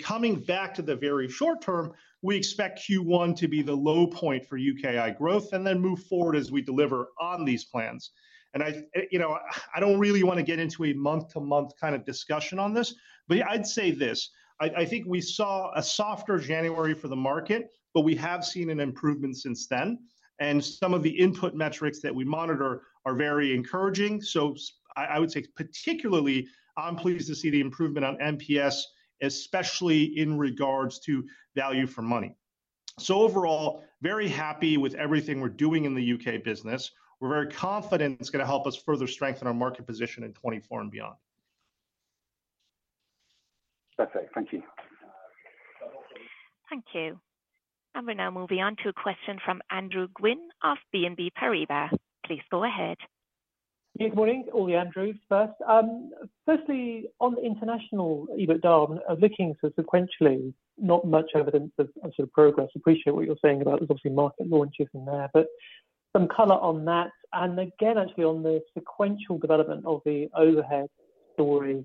Coming back to the very short term, we expect Q1 to be the low point for UKI growth and then move forward as we deliver on these plans. I don't really want to get into a month-to-month kind of discussion on this, but I'd say this. I think we saw a softer January for the market, but we have seen an improvement since then. Some of the input metrics that we monitor are very encouraging. So I would say particularly, I'm pleased to see the improvement on NPS, especially in regards to value for money. So overall, very happy with everything we're doing in the U.K. business. We're very confident it's going to help us further strengthen our market position in 2024 and beyond. That's it. Thank you. Thank you. And we now move on to a question from Andrew Gwynn of BNP Paribas. Please go ahead. Good morning, [Gwynn] Andrews. Firstly, on the international EBITDA, I'm looking sort of sequentially. Not much evidence of sort of progress. Appreciate what you're saying about there's obviously market launches in there, but some color on that. And again, actually, on the sequential development of the overhead story,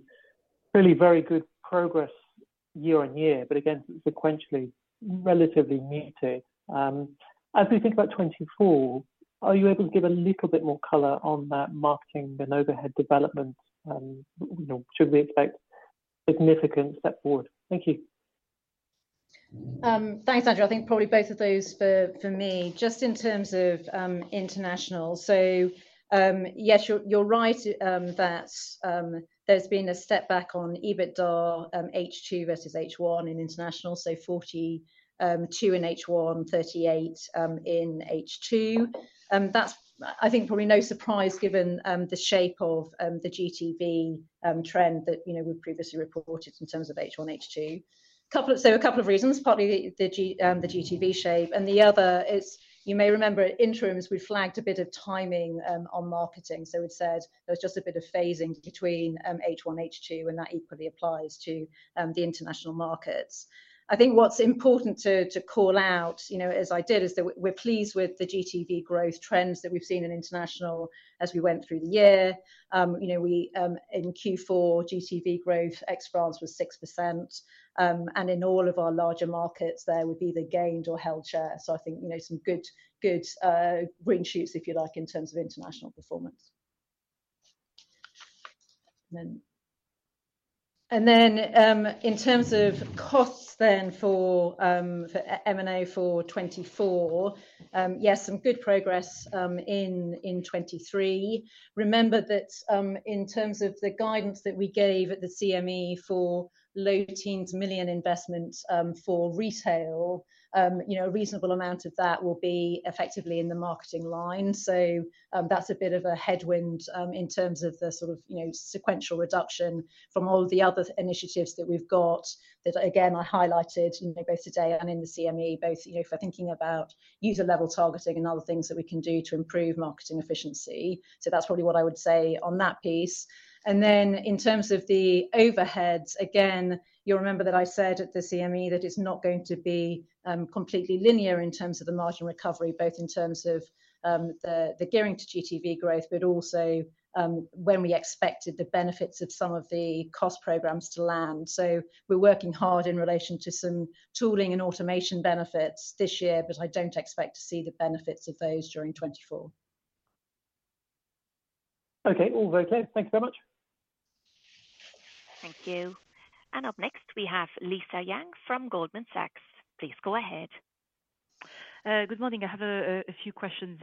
really very good progress year-on-year, but again, sequentially, relatively muted. As we think about 2024, are you able to give a little bit more color on that marketing and overhead development? Should we expect significant step forward? Thank you. Thanks, Andrew. I think probably both of those for me. Just in terms of international, so yes, you're right that there's been a step back on EBITDA H2 versus H1 in international, so 42 million in H1, 38 million in H2. That's, I think, probably no surprise given the shape of the GTV trend that we've previously reported in terms of H1, H2. So a couple of reasons, partly the GTV shape. And the other is, you may remember at interims, we flagged a bit of timing on marketing. So we'd said there was just a bit of phasing between H1, H2, and that equally applies to the international markets. I think what's important to call out, as I did, is that we're pleased with the GTV growth trends that we've seen in international as we went through the year. In Q4, GTV growth ex France was 6%. In all of our larger markets, there would be the gained or held share. So I think some good green shoots, if you like, in terms of international performance. And then in terms of costs then for M&A for 2024, yes, some good progress in 2023. Remember that in terms of the guidance that we gave at the CME for low-teens million investment for retail, a reasonable amount of that will be effectively in the marketing line. So that's a bit of a headwind in terms of the sort of sequential reduction from all the other initiatives that we've got that, again, I highlighted both today and in the CME, both for thinking about user-level targeting and other things that we can do to improve marketing efficiency. So that's probably what I would say on that piece. And then in terms of the overheads, again, you'll remember that I said at the CME that it's not going to be completely linear in terms of the margin recovery, both in terms of the gearing to GTV growth, but also when we expected the benefits of some of the cost programs to land. So we're working hard in relation to some tooling and automation benefits this year, but I don't expect to see the benefits of those during 2024. Okay. All very clear. Thank you very much. Thank you. And up next, we have Lisa Yang from Goldman Sachs Group, Inc. Please go ahead. Good morning. I have a few questions,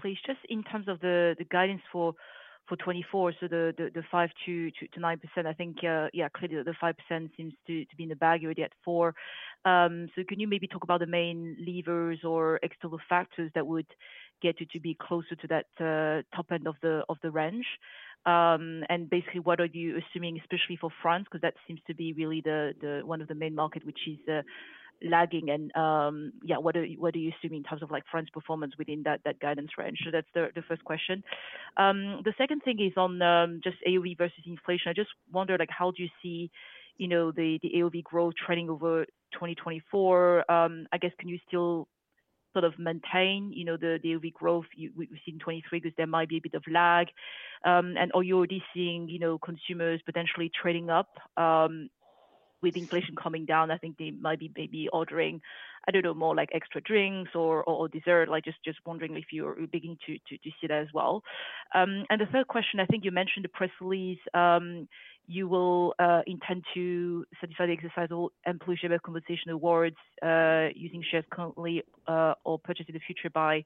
please. Just in terms of the guidance for 2024, so the 5%-9%, I think, yeah, clearly the 5% seems to be in the bag already at 4%. So can you maybe talk about the main levers or external factors that would get you to be closer to that top end of the range? And basically, what are you assuming, especially for France? Because that seems to be really one of the main markets, which is lagging. And yeah, what are you assuming in terms of France performance within that guidance range? So that's the first question. The second thing is on just AOV versus inflation. I just wonder, how do you see the AOV growth trending over 2024? I guess, can you still sort of maintain the AOV growth we've seen in 2023 because there might be a bit of lag? And are you already seeing consumers potentially trading up with inflation coming down? I think they might be maybe ordering, I don't know, more extra drinks or dessert. Just wondering if you're beginning to see that as well. The third question, I think you mentioned the press release. You will intend to satisfy the exercise or employee share-based compensation awards using shares currently or purchased in the future by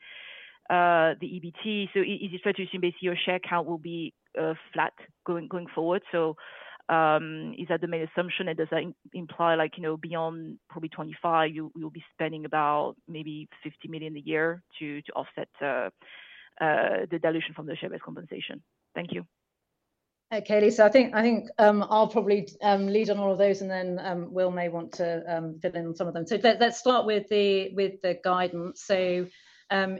the EBT. So is it fair to assume basically your share account will be flat going forward? So is that the main assumption? And does that imply beyond probably 2025, you'll be spending about maybe 50 million a year to offset the dilution from the share-based compensation? Thank you. Okay, Lisa. I think I'll probably lead on all of those, and then Will may want to fill in on some of them. So let's start with the guidance. So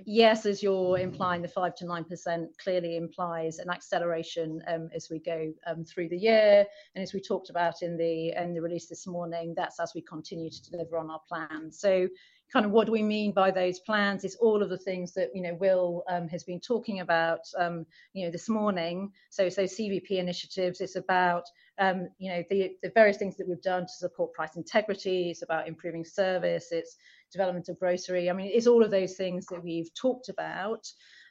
yes, as you're implying, the 5%-9% clearly implies an acceleration as we go through the year. As we talked about in the release this morning, that's as we continue to deliver on our plans. So kind of what do we mean by those plans? It's all of the things that Will has been talking about this morning. So CVP initiatives, it's about the various things that we've done to support price integrity. It's about improving service. It's development of grocery. I mean, it's all of those things that we've talked about.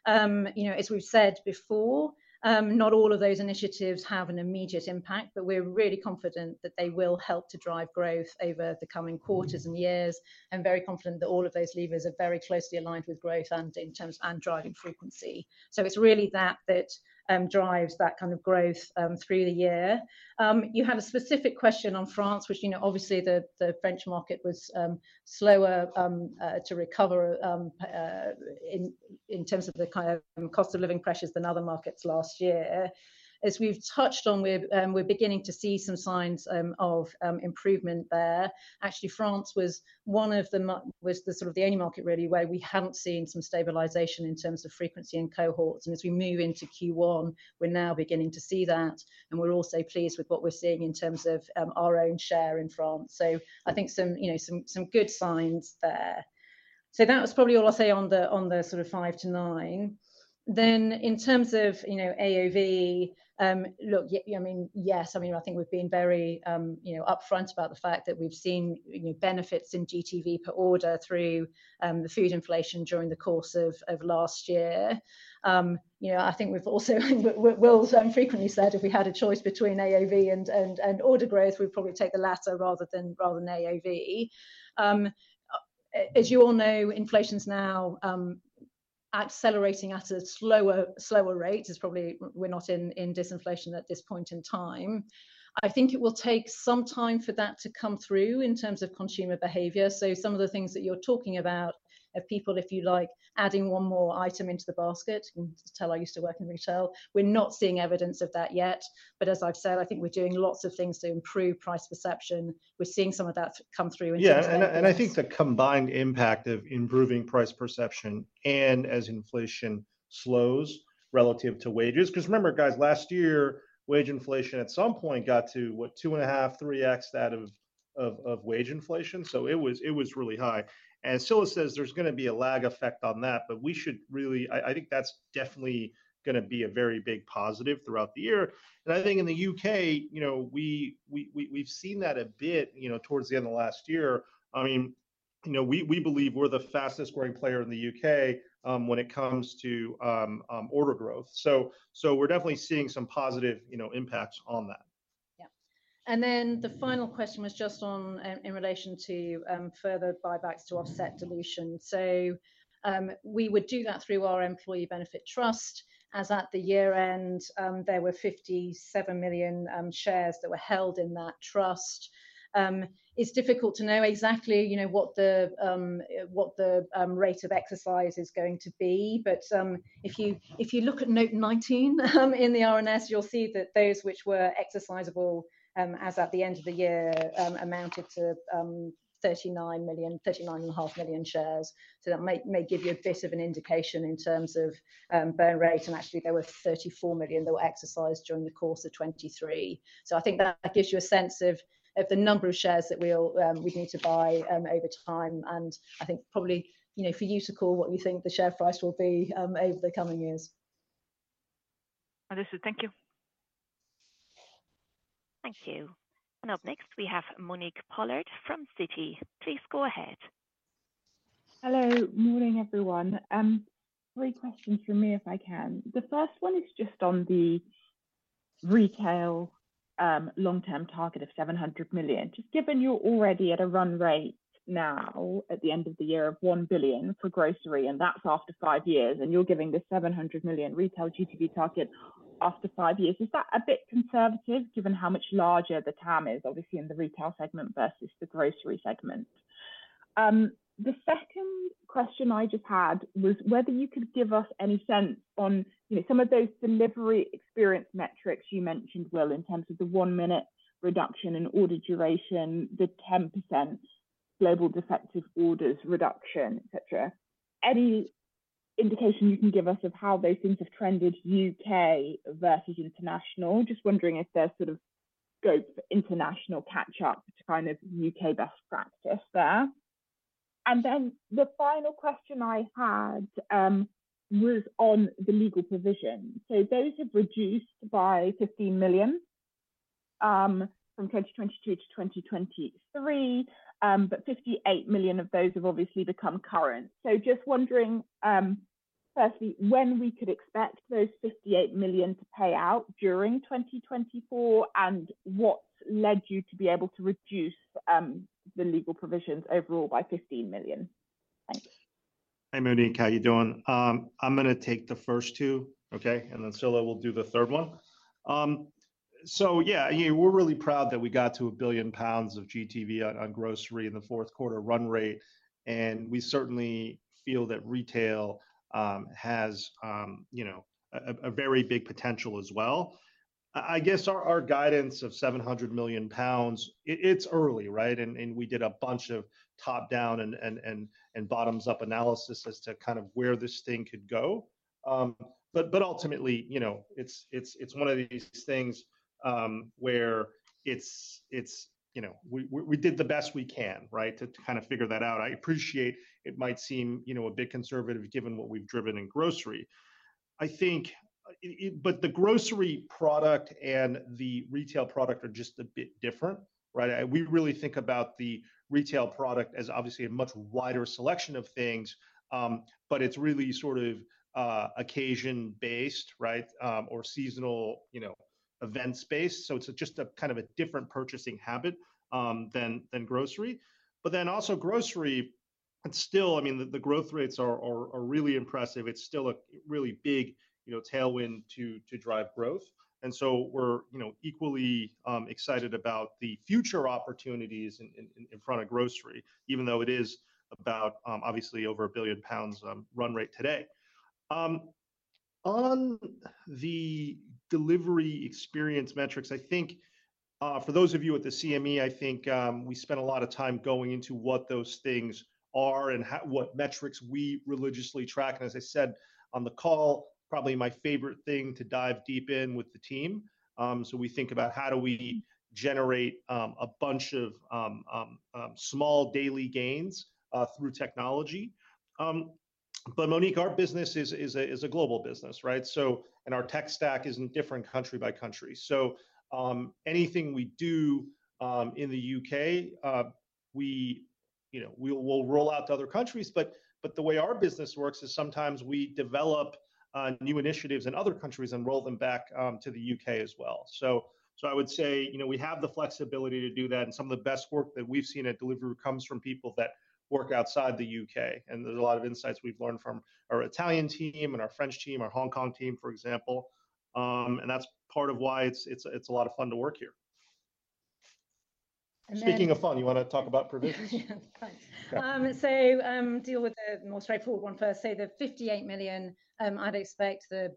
As we've said before, not all of those initiatives have an immediate impact, but we're really confident that they will help to drive growth over the coming quarters and years, and very confident that all of those levers are very closely aligned with growth and driving frequency. So it's really that that drives that kind of growth through the year. You had a specific question on France, which obviously the French market was slower to recover in terms of the kind of cost of living pressures than other markets last year. As we've touched on, we're beginning to see some signs of improvement there. Actually, France was the sort of the only market really where we hadn't seen some stabilisation in terms of frequency and cohorts. And as we move into Q1, we're now beginning to see that. And we're also pleased with what we're seeing in terms of our own share in France. So I think some good signs there. So that was probably all I'll say on the sort of 5%-9%. Then in terms of AOV, look, I mean, yes, I mean, I think we've been very upfront about the fact that we've seen benefits in GTV per order through the food inflation during the course of last year. I think Will has frequently said if we had a choice between AOV and order growth, we'd probably take the latter rather than AOV. As you all know, inflation's now accelerating at a slower rate. We're not in disinflation at this point in time. I think it will take some time for that to come through in terms of consumer behavior. So some of the things that you're talking about of people, if you like, adding one more item into the basket, you can tell I used to work in retail. We're not seeing evidence of that yet. But as I've said, I think we're doing lots of things to improve price perception. We're seeing some of that come through in terms of yeah, and I think the combined impact of improving price perception and as inflation slows relative to wages. Because remember, guys, last year, wage inflation at some point got to, what, 2.5x, 3x out of wage inflation. So it was really high. And Scilla says there's going to be a lag effect on that, but we should really I think that's definitely going to be a very big positive throughout the year. And I think in the U.K., we've seen that a bit towards the end of last year. I mean, we believe we're the fastest-growing player in the U.K. when it comes to order growth. So we're definitely seeing some positive impacts on that. Yeah. The final question was just in relation to further buybacks to offset dilution. So we would do that through our employee benefit trust. As at the year-end, there were 57 million shares that were held in that trust. It's difficult to know exactly what the rate of exercise is going to be. But if you look at note 19 in the RNS, you'll see that those which were exercisable as at the end of the year amounted to 39.5 million shares. So that may give you a bit of an indication in terms of burn rate. And actually, there were 34 million that were exercised during the course of 2023. So I think that gives you a sense of the number of shares that we'd need to buy over time. I think probably for you to call what you think the share price will be over the coming years. Lisa, thank you. Thank you. Up next, we have Monique Pollard from Citi. Please go ahead. Hello. Morning, everyone. Three questions from me, if I can. The first one is just on the retail long-term target of 700 million. Just given you're already at a run rate now at the end of the year of 1 billion for grocery, and that's after five years, and you're giving the 700 million retail GTV target after five years, is that a bit conservative given how much larger the TAM is, obviously, in the retail segment versus the grocery segment? The second question I just had was whether you could give us any sense on some of those delivery experience metrics you mentioned, Will, in terms of the 1-minute reduction in order duration, the 10% global defective orders reduction, etc. Any indication you can give us of how those things have trended U.K. versus international? Just wondering if there's sort of scope for international catch-up to kind of U.K. best practice there. And then the final question I had was on the legal provision. So those have reduced by 15 million from 2022 to 2023, but 58 million of those have obviously become current. So just wondering, firstly, when we could expect those 58 million to pay out during 2024, and what led you to be able to reduce the legal provisions overall by 15 million? Thanks. Hey, Monique. How are you doing? I'm going to take the first two, okay? And then Scilla will do the third one. So yeah, we're really proud that we got to 1 billion pounds of GTV on grocery in the fourth quarter run rate. And we certainly feel that retail has a very big potential as well. I guess our guidance of 700 million pounds, it's early, right? And we did a bunch of top-down and bottoms-up analysis as to kind of where this thing could go. But ultimately, it's one of these things where we did the best we can, right, to kind of figure that out. I appreciate it might seem a bit conservative given what we've driven in grocery. But the grocery product and the retail product are just a bit different, right? We really think about the retail product as obviously a much wider selection of things, but it's really sort of occasion-based, right, or seasonal events-based. So it's just a kind of a different purchasing habit than grocery. But then also grocery, still, I mean, the growth rates are really impressive. It's still a really big tailwind to drive growth. And so we're equally excited about the future opportunities in front of grocery, even though it is about obviously over 1 billion pounds run rate today. On the delivery experience metrics, I think for those of you at the CME, I think we spent a lot of time going into what those things are and what metrics we religiously track. And as I said on the call, probably my favorite thing to dive deep in with the team. So we think about how do we generate a bunch of small daily gains through technology. But Monique, our business is a global business, right? And our tech stack isn't different country by country. So anything we do in the U.K., we'll roll out to other countries. But the way our business works is sometimes we develop new initiatives in other countries and roll them back to the U.K. as well. So I would say we have the flexibility to do that. And some of the best work that we've seen at Deliveroo comes from people that work outside the U.K. And there's a lot of insights we've learned from our Italian team and our French team, our Hong Kong team, for example. And that's part of why it's a lot of fun to work here. Speaking of fun, you want to talk about provisions? Yeah, of course. So deal with the more straightforward one first. Say the 58 million, I'd expect the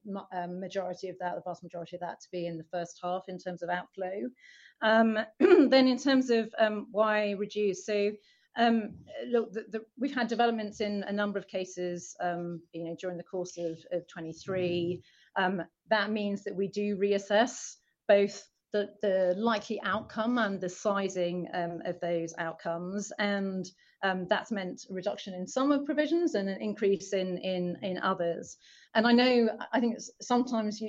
majority of that, the vast majority of that, to be in the first half in terms of outflow. Then in terms of why reduce? So look, we've had developments in a number of cases during the course of 2023. That means that we do reassess both the likely outcome and the sizing of those outcomes. And that's meant a reduction in some of provisions and an increase in others. And I think sometimes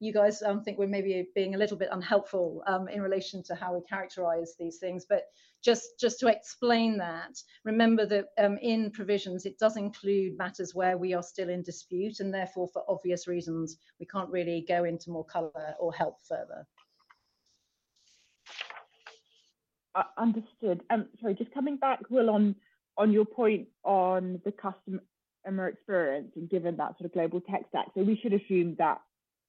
you guys think we're maybe being a little bit unhelpful in relation to how we characterize these things. But just to explain that, remember that in provisions, it does include matters where we are still in dispute. And therefore, for obvious reasons, we can't really go into more color or help further. Understood. Sorry, just coming back, Will, on your point on the customer experience and given that sort of global tech stack, so we should assume that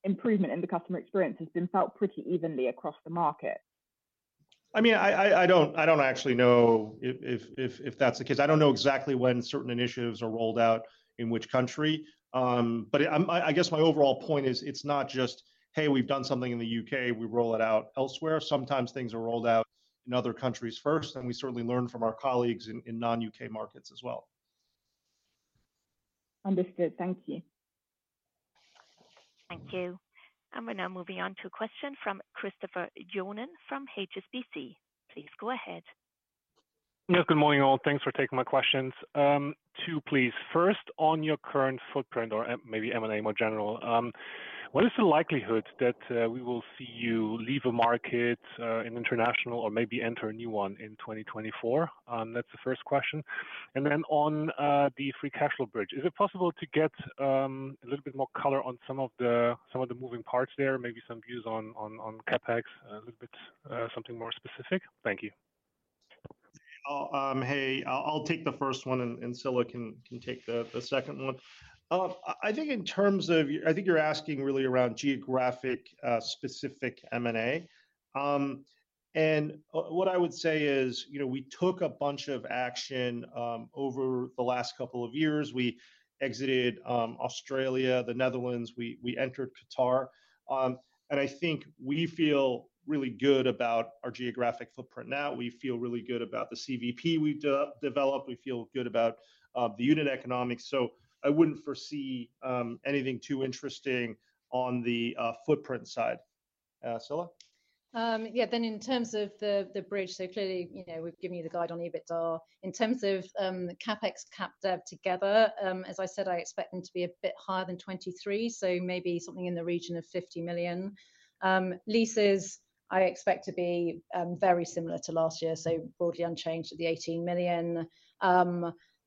improvement in the customer experience has been felt pretty evenly across the market. I mean, I don't actually know if that's the case. I don't know exactly when certain initiatives are rolled out in which country. But I guess my overall point is it's not just, hey, we've done something in the U.K., we roll it out elsewhere. Sometimes things are rolled out in other countries first. And we certainly learn from our colleagues in non-U.K. markets as well. Understood. Thank you. Thank you. And we're now moving on to a question from Christopher Johnen from HSBC. Please go ahead. Yeah, good morning, all. Thanks for taking my questions. Two, please. First, on your current footprint or maybe M&A more general, what is the likelihood that we will see you leave a market in international or maybe enter a new one in 2024? That's the first question. And then on the free cash flow bridge, is it possible to get a little bit more color on some of the moving parts there, maybe some views on CapEx, a little bit something more specific? Thank you. Hey, I'll take the first one. And Scilla can take the second one. I think in terms of you're asking really around geographic-specific M&A. And what I would say is we took a bunch of action over the last couple of years. We exited Australia, the Netherlands. We entered Qatar. And I think we feel really good about our geographic footprint now. We feel really good about the CVP we've developed. We feel good about the unit economics. So I wouldn't foresee anything too interesting on the footprint side. Scilla? Yeah, then in terms of the bridge, so clearly we've given you the guide on EBITDA. In terms of CapEx, CapDev together, as I said, I expect them to be a bit higher than 2023. So maybe something in the region of 50 million. Leases, I expect to be very similar to last year, so broadly unchanged at the 18 million.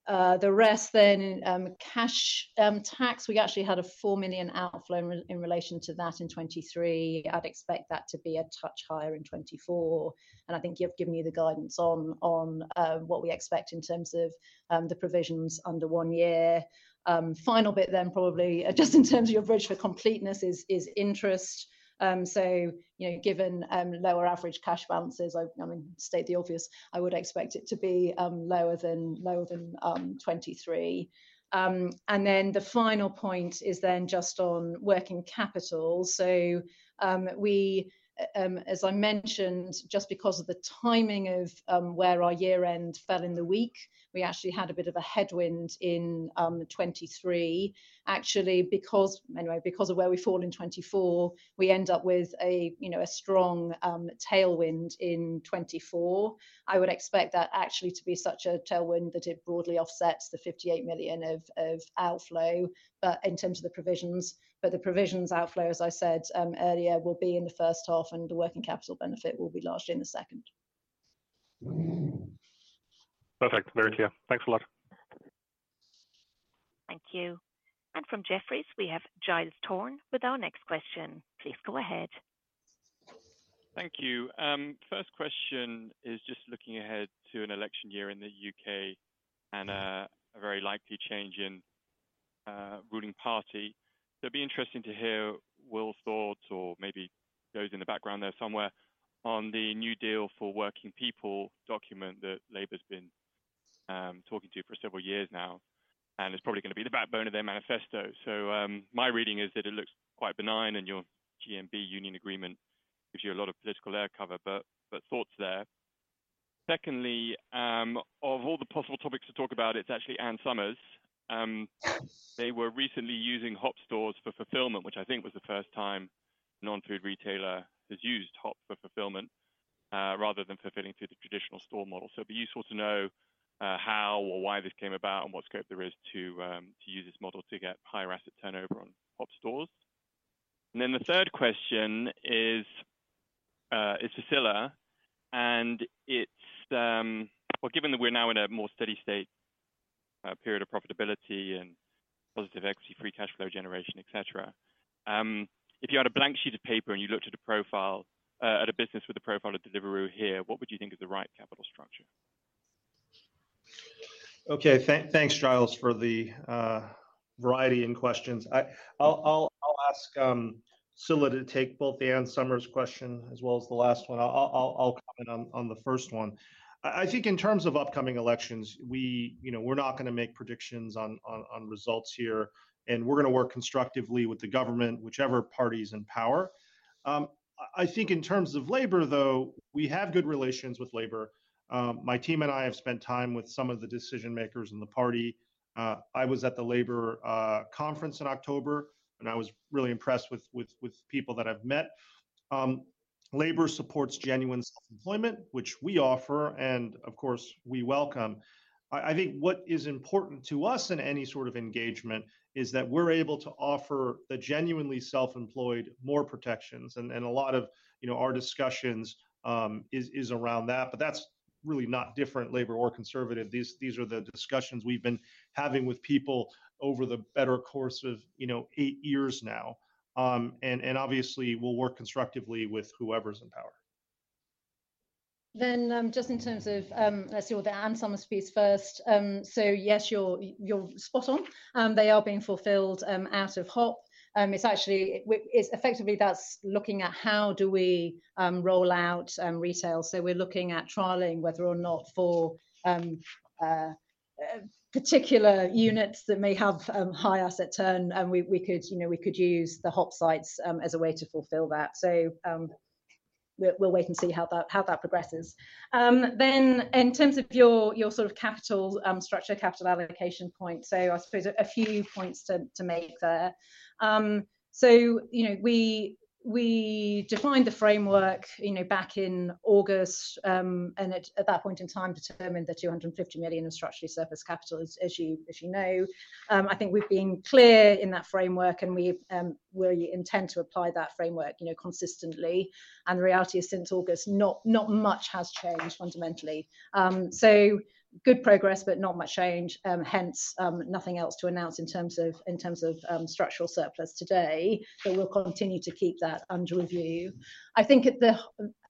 The rest then, cash tax, we actually had a 4 million outflow in relation to that in 2023. I'd expect that to be a touch higher in 2024. And I think you've given you the guidance on what we expect in terms of the provisions under one year. Final bit then, probably just in terms of your bridge for completeness, is interest. So given lower average cash balances, I mean, state the obvious, I would expect it to be lower than 2023. And then the final point is then just on working capital. So as I mentioned, just because of the timing of where our year-end fell in the week, we actually had a bit of a headwind in 2023. Actually, anyway, because of where we fall in 2024, we end up with a strong tailwind in 2024. I would expect that actually to be such a tailwind that it broadly offsets the 58 million of outflow in terms of the provisions. But the provisions outflow, as I said earlier, will be in the first half. And the working capital benefit will be largely in the second. Perfect. Very clear. Thanks a lot. Thank you. And from Jefferies, we have Giles Thorne with our next question. Please go ahead. Thank you. First question is just looking ahead to an election year in the U.K. and a very likely change in ruling party. It'd be interesting to hear Will's thoughts or maybe those in the background there somewhere on the New Deal for Working People document that Labour's been talking to for several years now and is probably going to be the backbone of their manifesto. So my reading is that it looks quite benign. And your GMB Union agreement gives you a lot of political air cover, but thoughts there? Secondly, of all the possible topics to talk about, it's actually Ann Summers. They were recently using Hop stores for fulfillment, which I think was the first time a non-food retailer has used Hop for fulfillment rather than fulfilling through the traditional store model. So it'd be useful to know how or why this came about and what scope there is to use this model to get higher asset turnover on Hop stores. And then the third question is for Scilla. And well, given that we're now in a more steady state period of profitability and positive equity, free cash flow generation, etc., if you had a blank sheet of paper and you looked at a business with the profile of Deliveroo here, what would you think is the right capital structure? Okay, thanks, Giles, for the variety in questions. I'll ask Scilla to take both the Ann Summers question as well as the last one. I'll comment on the first one. I think in terms of upcoming elections, we're not going to make predictions on results here. And we're going to work constructively with the government, whichever party is in power. I think in terms of Labour, though, we have good relations with Labour. My team and I have spent time with some of the decision-makers in the party. I was at the Labour conference in October. I was really impressed with people that I've met. Labour supports genuine self-employment, which we offer. Of course, we welcome. I think what is important to us in any sort of engagement is that we're able to offer the genuinely self-employed more protections. A lot of our discussions is around that. But that's really not different, Labour or Conservative. These are the discussions we've been having with people over the better course of eight years now. Obviously, we'll work constructively with whoever's in power. Just in terms of let's see, well, the Ann Summers piece first. So yes, you're spot on. They are being fulfilled out of Hop. Effectively, that's looking at how do we roll out retail. So we're looking at trialing whether or not for particular units that may have high asset turn, we could use the Hop sites as a way to fulfill that. So we'll wait and see how that progresses. Then in terms of your sort of capital structure, capital allocation point, so I suppose a few points to make there. So we defined the framework back in August. And at that point in time, determined the 250 million of structurally surplus capital, as you know. I think we've been clear in that framework. And we intend to apply that framework consistently. And the reality is since August, not much has changed fundamentally. So good progress, but not much change. Hence, nothing else to announce in terms of structural surplus today. But we'll continue to keep that under review. I think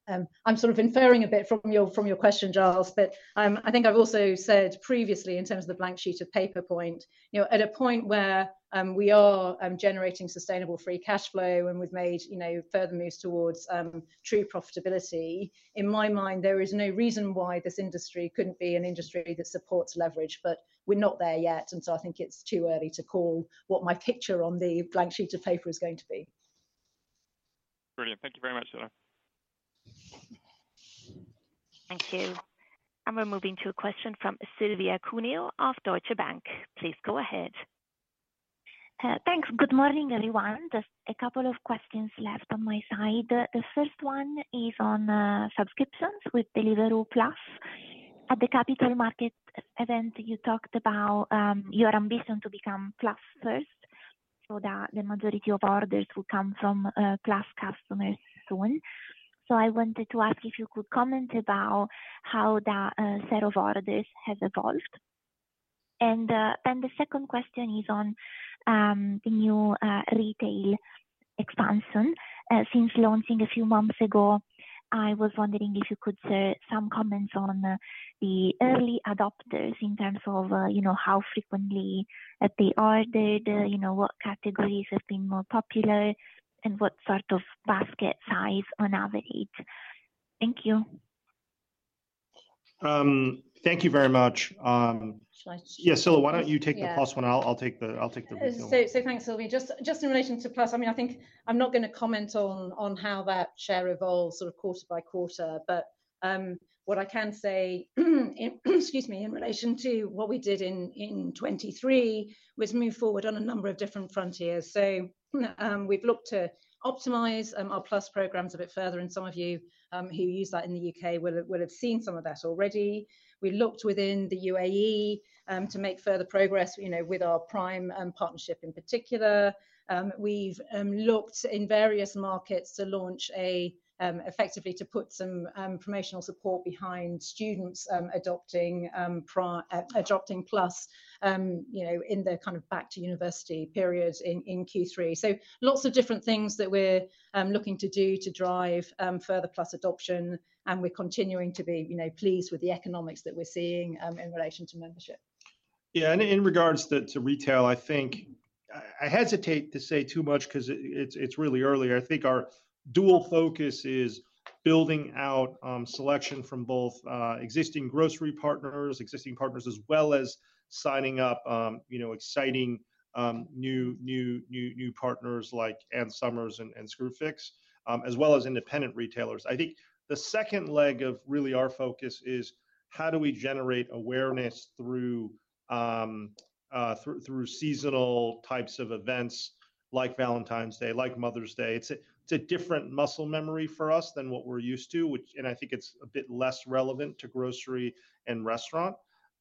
I'm sort of inferring a bit from your question, Giles. But I think I've also said previously in terms of the blank sheet of paper point, at a point where we are generating sustainable Free Cash Flow and we've made further moves towards true profitability, in my mind, there is no reason why this industry couldn't be an industry that supports leverage. But we're not there yet. And so I think it's too early to call what my picture on the blank sheet of paper is going to be. Brilliant. Thank you very much, Scilla. Thank you. And we're moving to a question from Silvia Cuneo of Deutsche Bank. Please go ahead. Thanks. Good morning, everyone. Just a couple of questions left on my side. The first one is on subscriptions with Deliveroo Plus. At the Capital Markets Event, you talked about your ambition to become Plus first so that the majority of orders will come from Plus customers soon. So I wanted to ask if you could comment about how that set of orders has evolved. The second question is on the new retail expansion. Since launching a few months ago, I was wondering if you could share some comments on the early adopters in terms of how frequently they ordered, what categories have been more popular, and what sort of basket size on average. Thank you. Thank you very much. Yeah, Scilla, why don't you take the plus one? I'll take the retail. So thanks, Silvia. Just in relation to Plus, I mean, I think I'm not going to comment on how that share evolves sort of quarter by quarter. But what I can say, excuse me, in relation to what we did in 2023 was move forward on a number of different frontiers. So we've looked to optimize our Plus programs a bit further. And some of you who use that in the U.K. will have seen some of that already. We've looked within the UAE to make further progress with our Prime partnership in particular. We've looked in various markets to launch effectively to put some promotional support behind students adopting Plus in their kind of back-to-university period in Q3. So lots of different things that we're looking to do to drive further Plus adoption. And we're continuing to be pleased with the economics that we're seeing in relation to membership. Yeah, and in regards to retail, I think I hesitate to say too much because it's really early. I think our dual focus is building out selection from both existing grocery partners, existing partners, as well as signing up exciting new partners like Ann Summers and Screwfix, as well as independent retailers. I think the second leg of really our focus is how do we generate awareness through seasonal types of events like Valentine's Day, like Mother's Day. It's a different muscle memory for us than what we're used to. I think it's a bit less relevant to grocery and restaurant.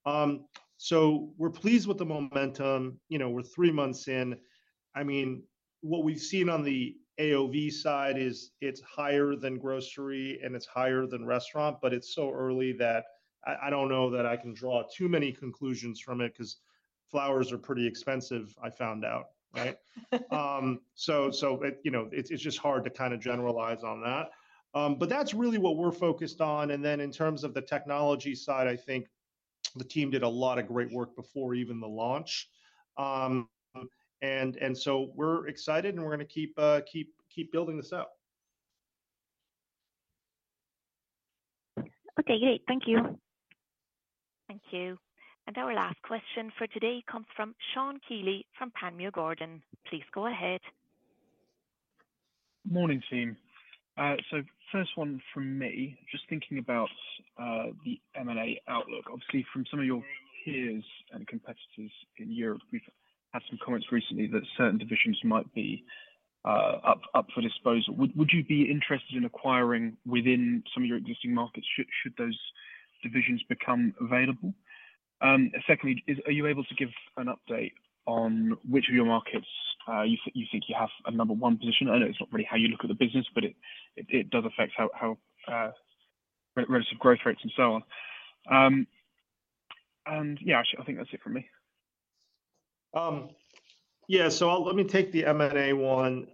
We're pleased with the momentum. We're three months in. I mean, what we've seen on the AOV side is it's higher than grocery. And it's higher than restaurant. But it's so early that I don't know that I can draw too many conclusions from it because flowers are pretty expensive, I found out, right? So it's just hard to kind of generalize on that. But that's really what we're focused on. And then in terms of the technology side, I think the team did a lot of great work before even the launch. And so we're excited. And we're going to keep building this out. Okay, great. Thank you. Thank you. And our last question for today comes from Sean Kealy from Panmure Gordon. Please go ahead. Morning, team. So first one from me, just thinking about the M&A outlook. Obviously, from some of your peers and competitors in Europe, we've had some comments recently that certain divisions might be up for disposal. Would you be interested in acquiring within some of your existing markets should those divisions become available? Secondly, are you able to give an update on which of your markets you think you have a number one position? I know it's not really how you look at the business. But it does affect relative growth rates and so on. And yeah, actually, I think that's it from me. Yeah, so let me take the M&A one.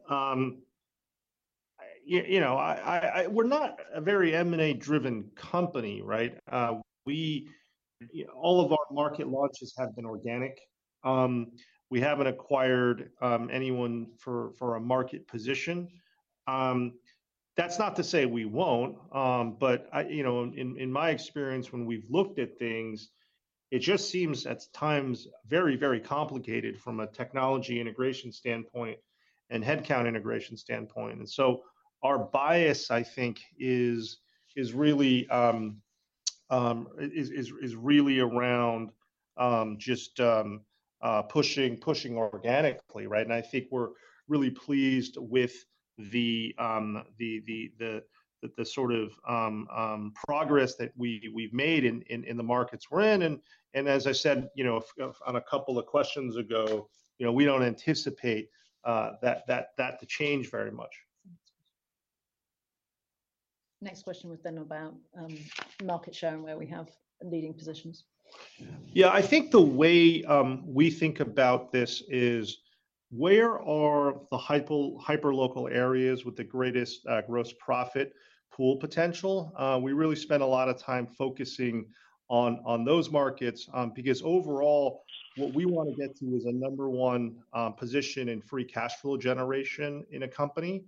We're not a very M&A-driven company, right? All of our market launches have been organic. We haven't acquired anyone for a market position. That's not to say we won't. But in my experience, when we've looked at things, it just seems at times very, very complicated from a technology integration standpoint and headcount integration standpoint. And so our bias, I think, is really around just pushing organically, right? And I think we're really pleased with the sort of progress that we've made in the markets we're in. And as I said on a couple of questions ago, we don't anticipate that to change very much. Next question was then about market share and where we have leading positions. Yeah, I think the way we think about this is where are the hyperlocal areas with the greatest gross profit pool potential? We really spend a lot of time focusing on those markets because overall, what we want to get to is a number one position in free cash flow generation in a company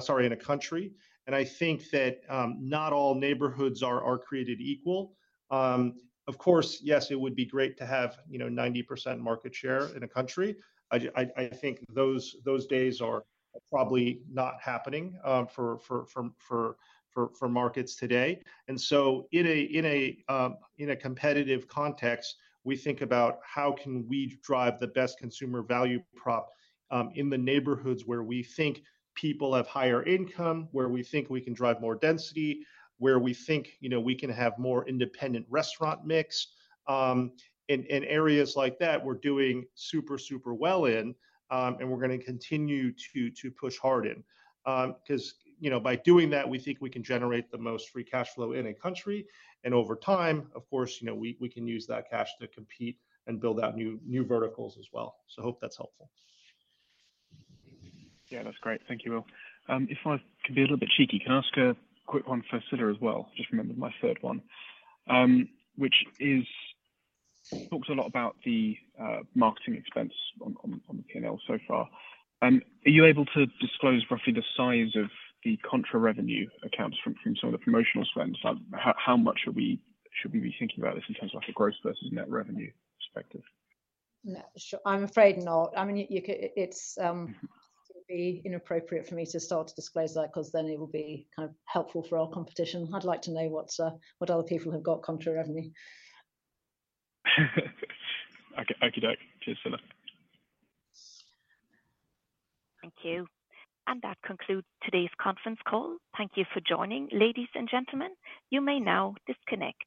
sorry, in a country. I think that not all neighborhoods are created equal. Of course, yes, it would be great to have 90% market share in a country. I think those days are probably not happening for markets today. So in a competitive context, we think about how can we drive the best consumer value prop in the neighborhoods where we think people have higher income, where we think we can drive more density, where we think we can have more independent restaurant mix. In areas like that, we're doing super, super well in. We're going to continue to push hard in. Because by doing that, we think we can generate the most free cash flow in a country. And over time, of course, we can use that cash to compete and build out new verticals as well. So hope that's helpful. Yeah, that's great. Thank you, Will. If I could be a little bit cheeky, can I ask a quick one for Scilla as well? I just remembered my third one, which talks a lot about the marketing expense on the P&L so far. Are you able to disclose roughly the size of the contra-revenue accounts from some of the promotional spends? How much should we be thinking about this in terms of a gross versus net revenue perspective? No, sure. I'm afraid not. I mean, it would be inappropriate for me to start to disclose that because then it will be kind of helpful for our competition. I'd like to know what other people have got contra-revenue. Okie doke. Cheers, Scilla. Thank you. And that concludes today's conference call. Thank you for joining, ladies and gentlemen. You may now disconnect.